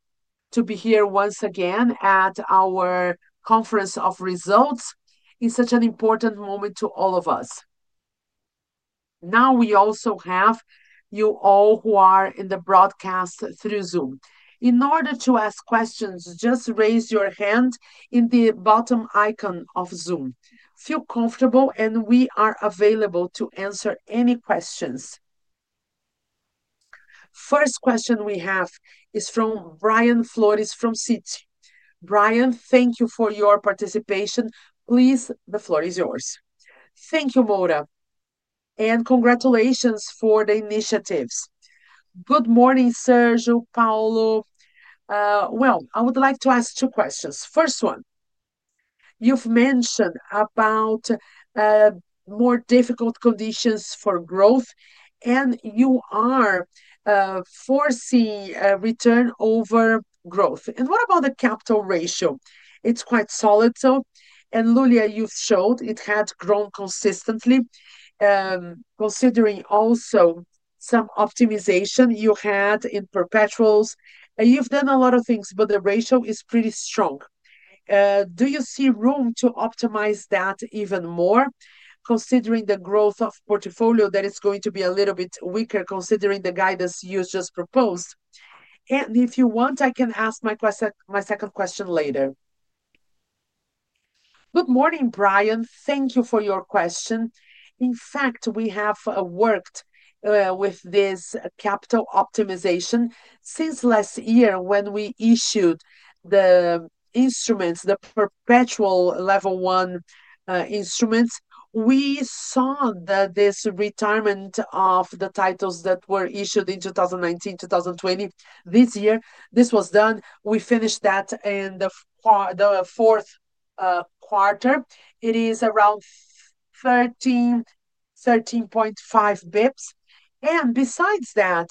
to be here once again at our conference of results in such an important moment to all of us. Now, we also have you all who are in the broadcast through Zoom. In order to ask questions, just raise your hand in the bottom icon of Zoom. Feel comfortable, and we are available to answer any questions. First question we have is from Brian Flores from Citi. Brian, thank you for your participation. Please, the floor is yours. Thank you, Moura. And congratulations for the initiatives. Good morning, Sergio, Paulo. I would like to ask two questions. First one, you have mentioned about more difficult conditions for growth, and you are forcing return over growth. What about the capital ratio? It is quite solid. And Lulia, you showed it had grown consistently, considering also some optimization you had in perpetuals. You have done a lot of things, but the ratio is pretty strong. Do you see room to optimize that even more, considering the growth of portfolio that is going to be a little bit weaker, considering the guidance you just proposed? If you want, I can ask my second question later. Good morning, Brian. Thank you for your question. In fact, we have worked with this capital optimization since last year when we issued the instruments, the perpetual level one instruments. We saw that this retirement of the titles that were issued in 2019, 2020, this year, this was done. We finished that in the 4th quarter. It is around 13.5 basis points. Besides that,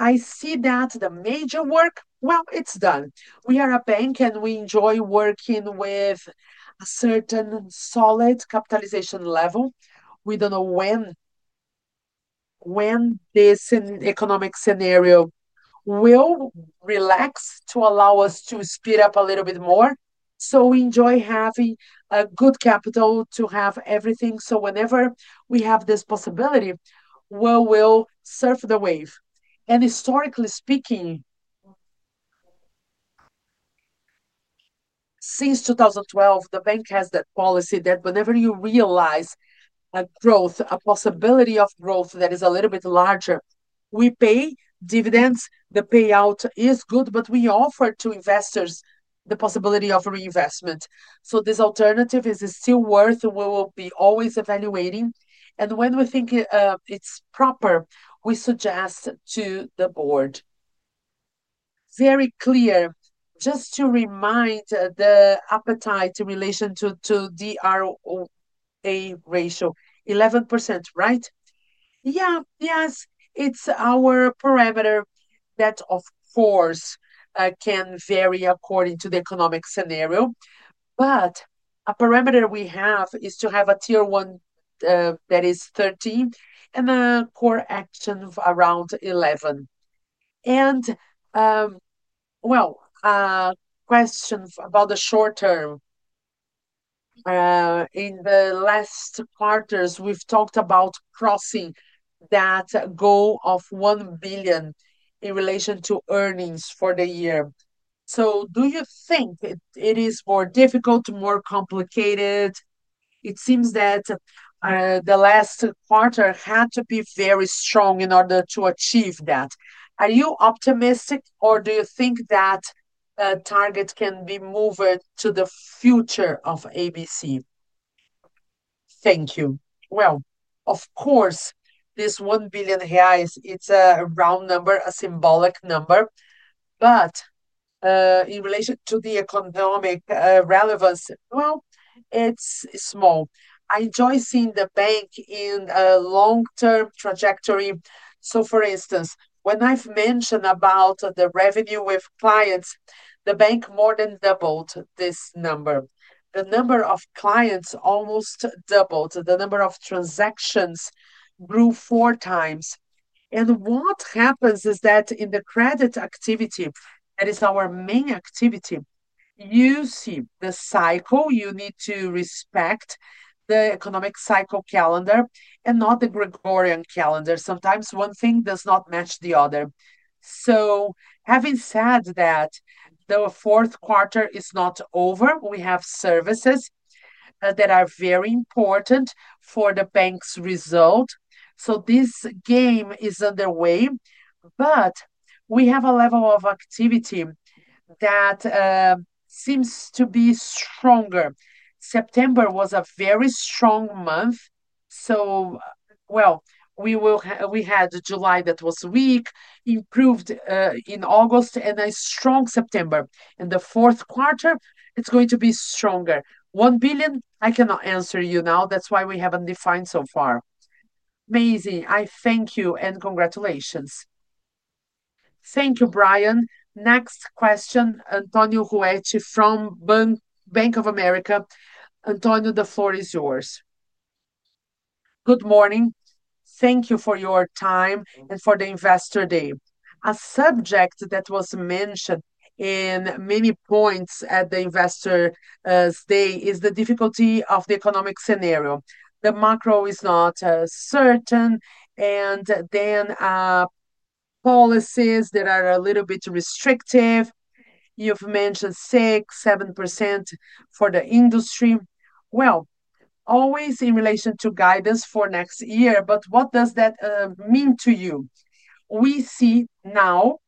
I see that the major work, well, it is done. We are a bank, and we enjoy working with a certain solid capitalization level. We do not know when this economic scenario will relax to allow us to speed up a little bit more. We enjoy having a good capital to have everything. Whenever we have this possibility, we will surf the wave. Historically speaking, since 2012, the bank has that policy that whenever you realize a growth, a possibility of growth that is a little bit larger, we pay dividends. The payout is good, but we offer to investors the possibility of reinvestment. This alternative is still worth. We will be always evaluating. When we think it is proper, we suggest to the board. Very clear. Just to remind, the appetite in relation to the ROA ratio, 11%, right? Yes. It is our parameter that, of course, can vary according to the economic scenario. A parameter we have is to have a tier one that is 13 and a core action around 11. Question about the short term. In the last quarters, we have talked about crossing that goal of 1 billion in relation to earnings for the year. Do you think it is more difficult, more complicated? It seems that the last quarter had to be very strong in order to achieve that. Are you optimistic, or do you think that target can be moved to the future of ABC Brasil? Thank you. Of course, this 1 billion reais, it is a round number, a symbolic number. In relation to the economic relevance, it is small. I enjoy seeing the bank in a long-term trajectory. For instance, when I have mentioned about the revenue with clients, the bank more than doubled this number. The number of clients almost doubled. The number of transactions grew four times. What happens is that in the credit activity, that is our main activity, you see the cycle. You need to respect the economic cycle calendar and not the Gregorian calendar. Sometimes one thing does not match the other. Having said that, the 4th quarter is not over. We have services that are very important for the bank's result. This game is underway. We have a level of activity that seems to be stronger. September was a very strong month. We had July that was weak, improved in August, and a strong September. The 4th quarter, it's going to be stronger. 1 billion, I cannot answer you now. That's why we haven't defined so far. Amazing. I thank you and congratulations. Thank you, Brian. Next question, Antonio Ruet from Bank of America. Antonio, the floor is yours. Good morning. Thank you for your time and for the investor day. A subject that was mentioned in many points at the investor's day is the difficulty of the economic scenario. The macro is not certain, and then policies that are a little bit restrictive. You have mentioned 6-7% for the industry. Always in relation to guidance for next year. What does that mean to you? We see now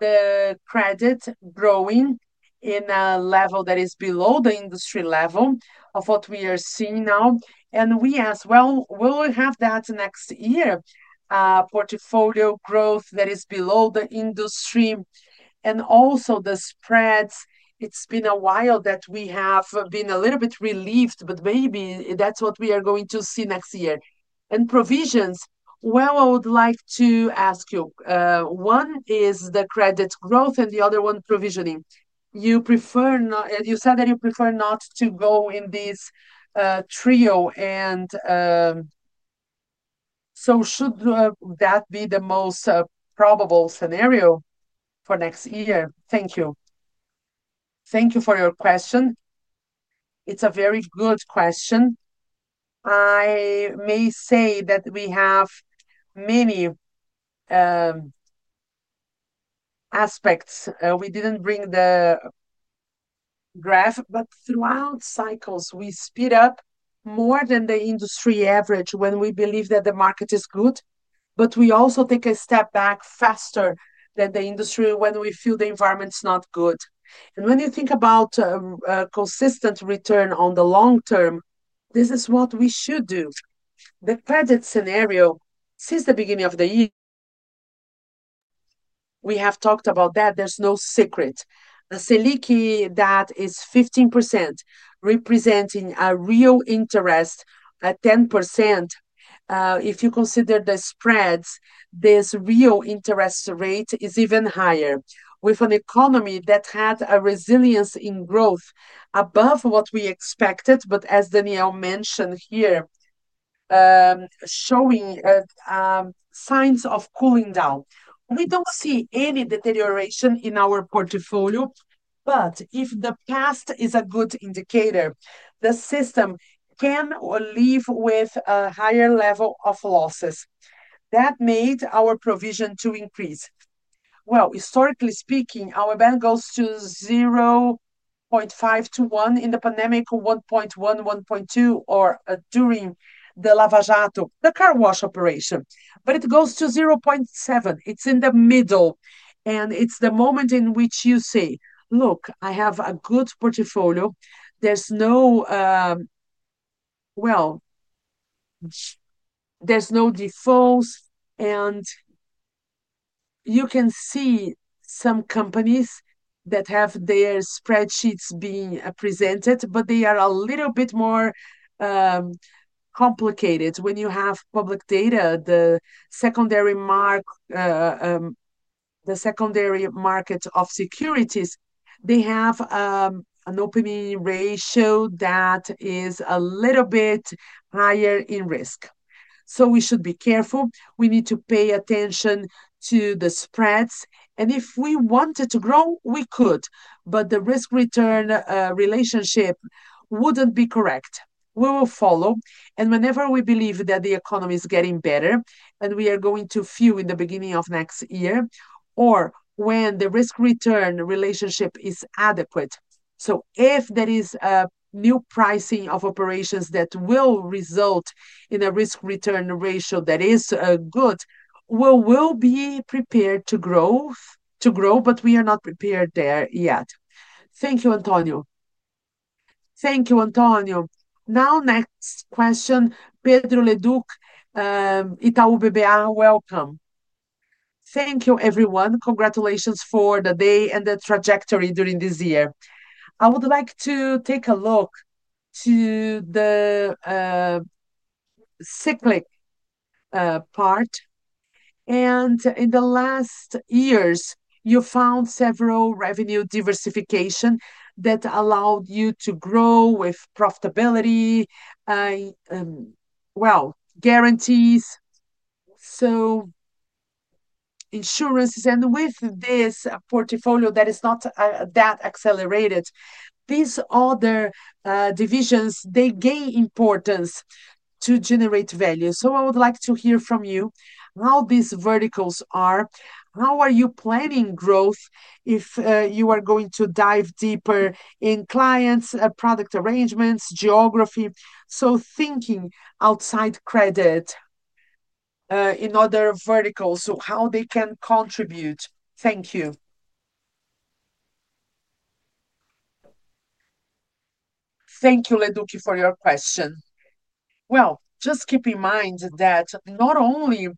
the credit growing in a level that is below the industry level of what we are seeing now. We ask, will we have that next year? Portfolio growth that is below the industry and also the spreads. It's been a while that we have been a little bit relieved, but maybe that's what we are going to see next year. Provisions, I would like to ask you. One is the credit growth, and the other one, provisioning. You said that you prefer not to go in this trio. Should that be the most probable scenario for next year? Thank you. Thank you for your question. It's a very good question. I may say that we have many aspects. We didn't bring the graph, but throughout cycles, we speed up more than the industry average when we believe that the market is good, but we also take a step back faster than the industry when we feel the environment's not good. When you think about a consistent return on the long term, this is what we should do. The credit scenario, since the beginning of the year, we have talked about that. There is no secret. The Selic that is 15% representing a real interest, a 10%. If you consider the spreads, this real interest rate is even higher. With an economy that had a resilience in growth above what we expected, but as Daniel mentioned here, showing signs of cooling down, we do not see any deterioration in our portfolio. If the past is a good indicator, the system can live with a higher level of losses. That made our provision increase. Historically speaking, our bank goes to 0.5-1 in the pandemic, 1.1, 1.2, or during the Lava Jato, the Car Wash Operation. It goes to 0.7. It is in the middle. It is the moment in which you say, look, I have a good portfolio. There is no, well, there are no defaults. You can see some companies that have their spreadsheets being presented, but they are a little bit more complicated. When you have public data, the secondary market of securities, they have an opening ratio that is a little bit higher in risk. We should be careful. We need to pay attention to the spreads. If we wanted to grow, we could. The risk-return relationship would not be correct. We will follow. Whenever we believe that the economy is getting better, and we are going to feel it in the beginning of next year, or when the risk-return relationship is adequate. If there is a new pricing of operations that will result in a risk-return ratio that is good, we will be prepared to grow, but we are not prepared there yet. Thank you, Antonio. Now, next question, Pedro Leduc, Itaú BBA, welcome. Thank you, everyone. Congratulations for the day and the trajectory during this year. I would like to take a look to the cyclic part. In the last years, you found several revenue diversifications that allowed you to grow with profitability, guarantees, so insurances. With this portfolio that is not that accelerated, these other divisions, they gain importance to generate value. I would like to hear from you how these verticals are. How are you planning growth if you are going to dive deeper in clients, product arrangements, geography? Thinking outside credit in other verticals, how they can contribute. Thank you. Thank you, Leduc, for your question. Just keep in mind that not only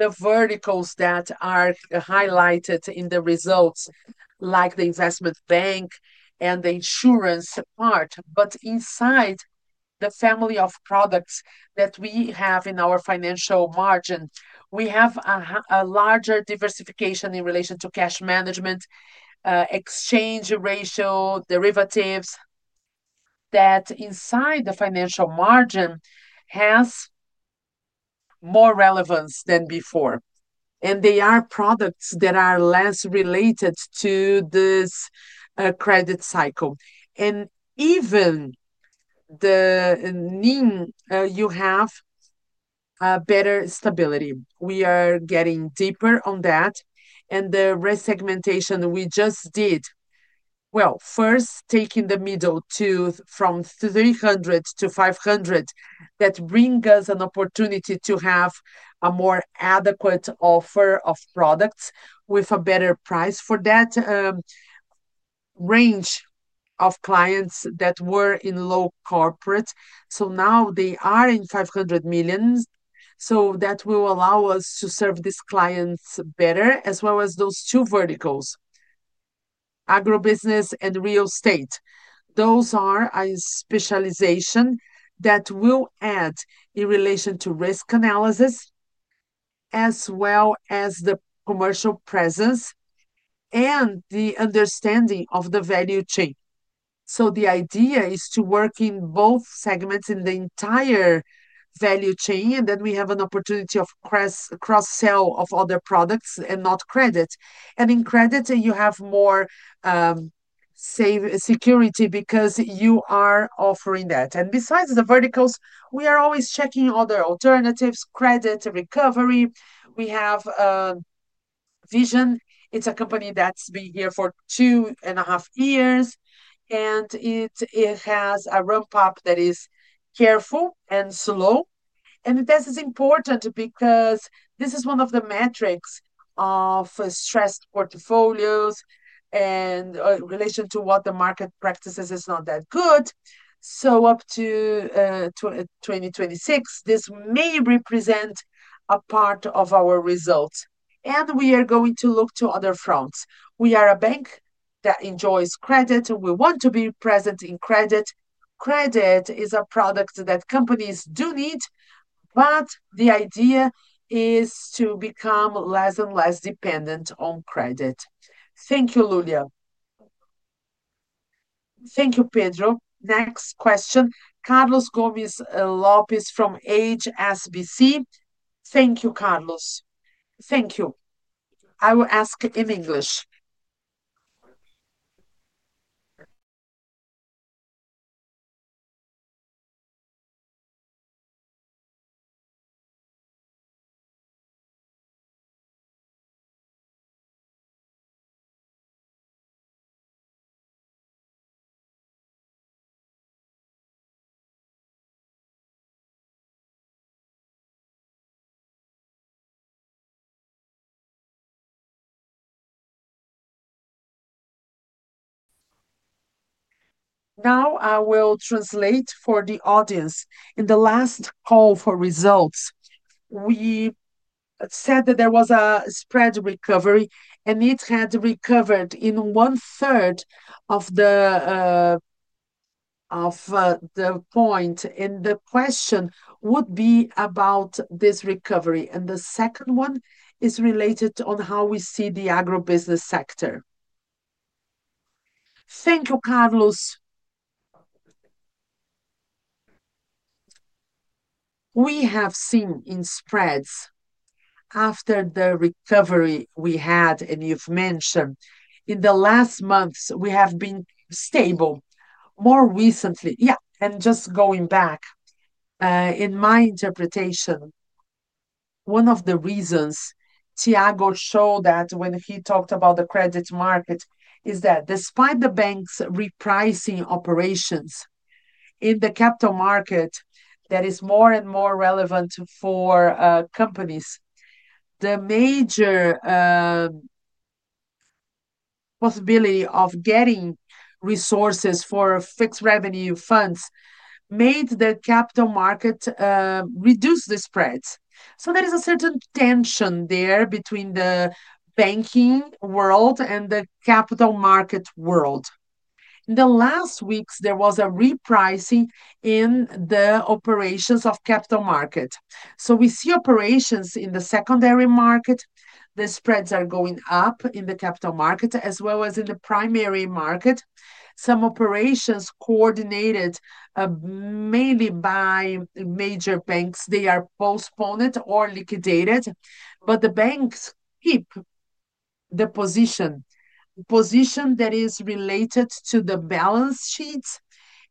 the verticals that are highlighted in the results, like the investment bank and the insurance part, but inside the family of products that we have in our financial margin, we have a larger diversification in relation to cash management, exchange ratio, derivatives that inside the financial margin has more relevance than before. They are products that are less related to this credit cycle. Even the mean you have better stability. We are getting deeper on that. The resegmentation we just did, first taking the middle two from 300 million-500 million, that brings us an opportunity to have a more adequate offer of products with a better price for that range of clients that were in low corporate. Now they are in 500 million. That will allow us to serve these clients better, as well as those two verticals, Agribusiness and Real Estate. Those are a specialization that will add in relation to risk analysis, as well as the commercial presence and the understanding of the value chain. The idea is to work in both segments in the entire value chain. We have an opportunity of cross-sell of other products and not credit. In credit, you have more security because you are offering that. Besides the verticals, we are always checking other alternatives, credit, recovery. We have Vision. It is a company that's been here for 2.5 years. It has a ramp-up that is careful and slow. This is important because this is one of the metrics of stressed portfolios and in relation to what the market practices is not that good. Up to 2026, this may represent a part of our results. We are going to look to other fronts. We are a bank that enjoys credit. We want to be present in credit. Credit is a product that companies do need. The idea is to become less and less dependent on credit. Thank you, Lulia. Thank you, Pedro. Next question, Carlos Gomez-Lopez from HSBC. Thank you, Carlos. Thank you. I will ask in English. Now I will translate for the audience. In the last call for results, we said that there was a spread recovery, and it had recovered in 1/3 of a point. The question would be about this recovery. The second one is related to how we see the Agribusiness sector. Thank you, Carlos. We have seen in spreads after the recovery we had, and you have mentioned in the last months, we have been stable. More recently, yeah, and just going back, in my interpretation, one of the reasons Tiago showed that when he talked about the credit market is that despite the bank's repricing operations in the capital market that is more and more relevant for companies, the major possibility of getting resources for fixed revenue funds made the capital market reduce the spreads. There is a certain tension there between the banking world and the capital market world. In the last weeks, there was a repricing in the operations of capital market. We see operations in the secondary market. The spreads are going up in the capital market, as well as in the primary market. Some operations coordinated mainly by major banks, they are postponed or liquidated. The banks keep the position, position that is related to the balance sheets.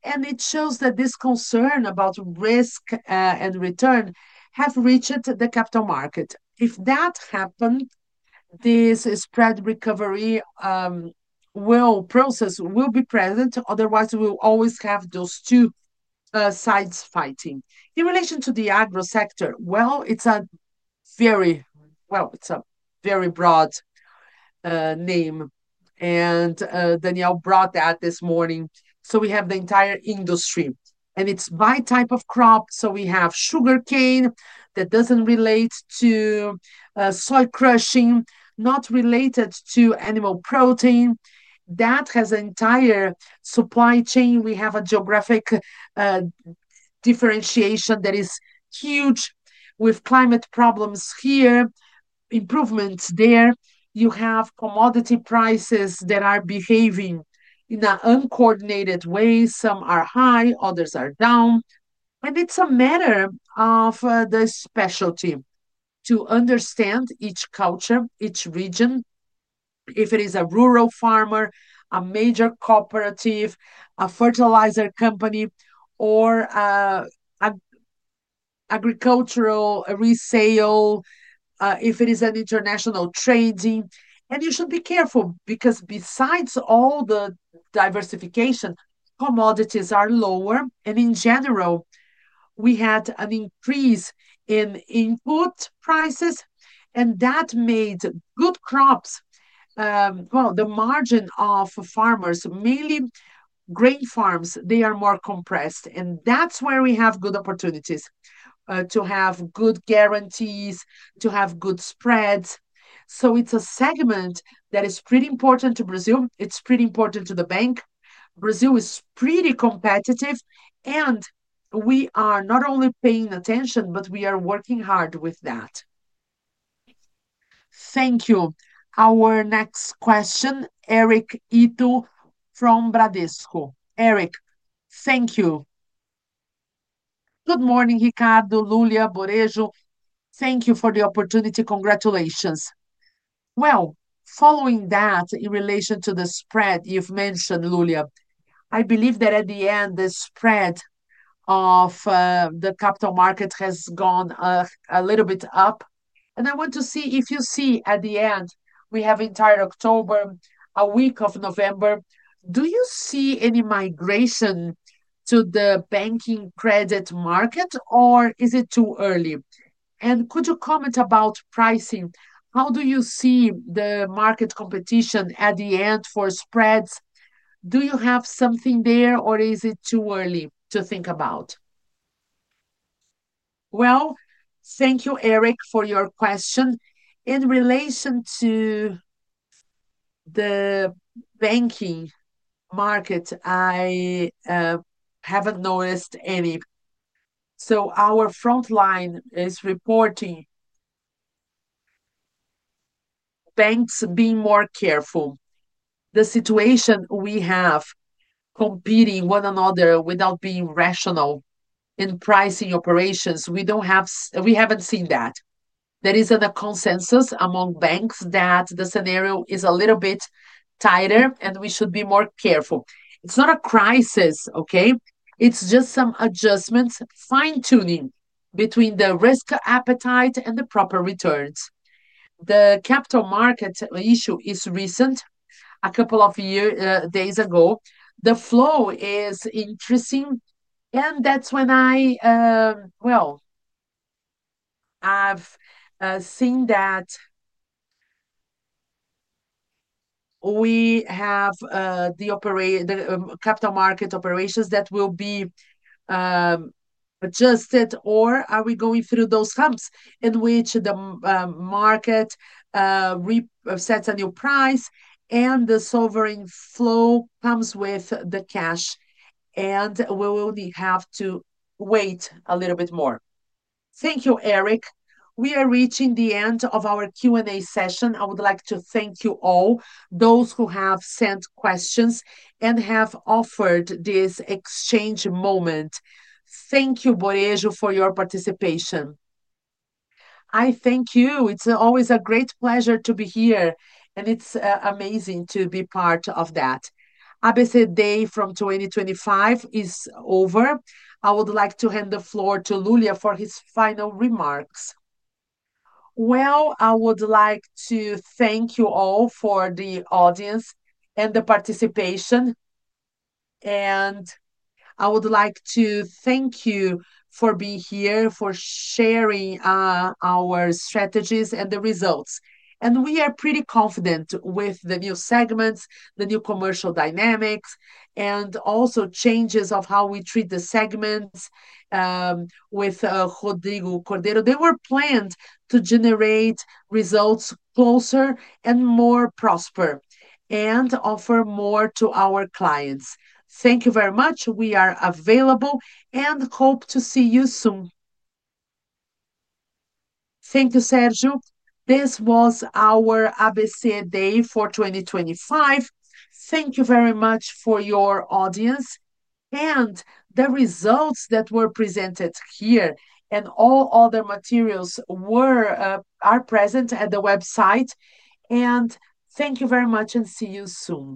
It shows that this concern about risk and return has reached the capital market. If that happens, this spread recovery process will be present. Otherwise, we will always have those two sides fighting. In relation to the Agro sector, it is a very broad name. Daniel brought that this morning. We have the entire industry, and it is by type of crop. We have sugarcane that does not relate to soil crushing, not related to animal protein. That has an entire supply chain. We have a geographic differentiation that is huge, with climate problems here, improvements there. You have commodity prices that are behaving in an uncoordinated way. Some are high, others are down. It is a matter of the specialty to understand each culture, each region, if it is a rural farmer, a major cooperative, a fertilizer company, or agricultural resale, if it is an international trading. You should be careful because besides all the diversification, commodities are lower. In general, we had an increase in input prices. That made good crops, well, the margin of farmers, mainly grain farms, they are more compressed. That is where we have good opportunities to have good guarantees, to have good spreads. It is a segment that is pretty important to Brazil. It is pretty important to the bank. Brazil is pretty competitive. We are not only paying attention, but we are working hard with that. Thank you. Our next question, Eric Ito from Bradesco. Eric, thank you. Good morning, Ricardo, Lulia, Borejo. Thank you for the opportunity. Congratulations. Following that, in relation to the spread, you have mentioned, Lulia, I believe that at the end, the spread of the capital market has gone a little bit up. I want to see if you see at the end, we have entire October, a week of November. Do you see any migration to the banking credit market, or is it too early? Could you comment about pricing? How do you see the market competition at the end for spreads? Do you have something there, or is it too early to think about? Thank you, Eric, for your question. In relation to the banking market, I have not noticed any. Our front line is reporting banks being more careful. The situation we have competing one another without being rational in pricing operations, we have not seen that. There is a consensus among banks that the scenario is a little bit tighter, and we should be more careful. It's not a crisis, okay? It's just some adjustments, fine-tuning between the risk appetite and the proper returns. The capital market issue is recent, a couple of days ago. The flow is interesting. That is when I, I have seen that we have the capital market operations that will be adjusted, or are we going through those hubs in which the market sets a new price, and the sovereign flow comes with the cash, and we will only have to wait a little bit more. Thank you, Eric. We are reaching the end of our Q&A session. I would like to thank you all, those who have sent questions and have offered this exchange moment. Thank you, Borejo, for your participation. I thank you. It's always a great pleasure to be here. It's amazing to be part of that. ABC Day for 2025 is over. I would like to hand the floor to Lulia for his final remarks. I would like to thank you all for the audience and the participation. I would like to thank you for being here, for sharing our strategies and the results. We are pretty confident with the new segments, the new commercial dynamics, and also changes of how we treat the segments with Rodrigo Cordeiro. They were planned to generate results closer and more prosper and offer more to our clients. Thank you very much. We are available and hope to see you soon. Thank you, Sergio. This was our ABC Day for 2025. Thank you very much for your audience. The results that were presented here and all other materials are present at the website. Thank you very much and see you soon.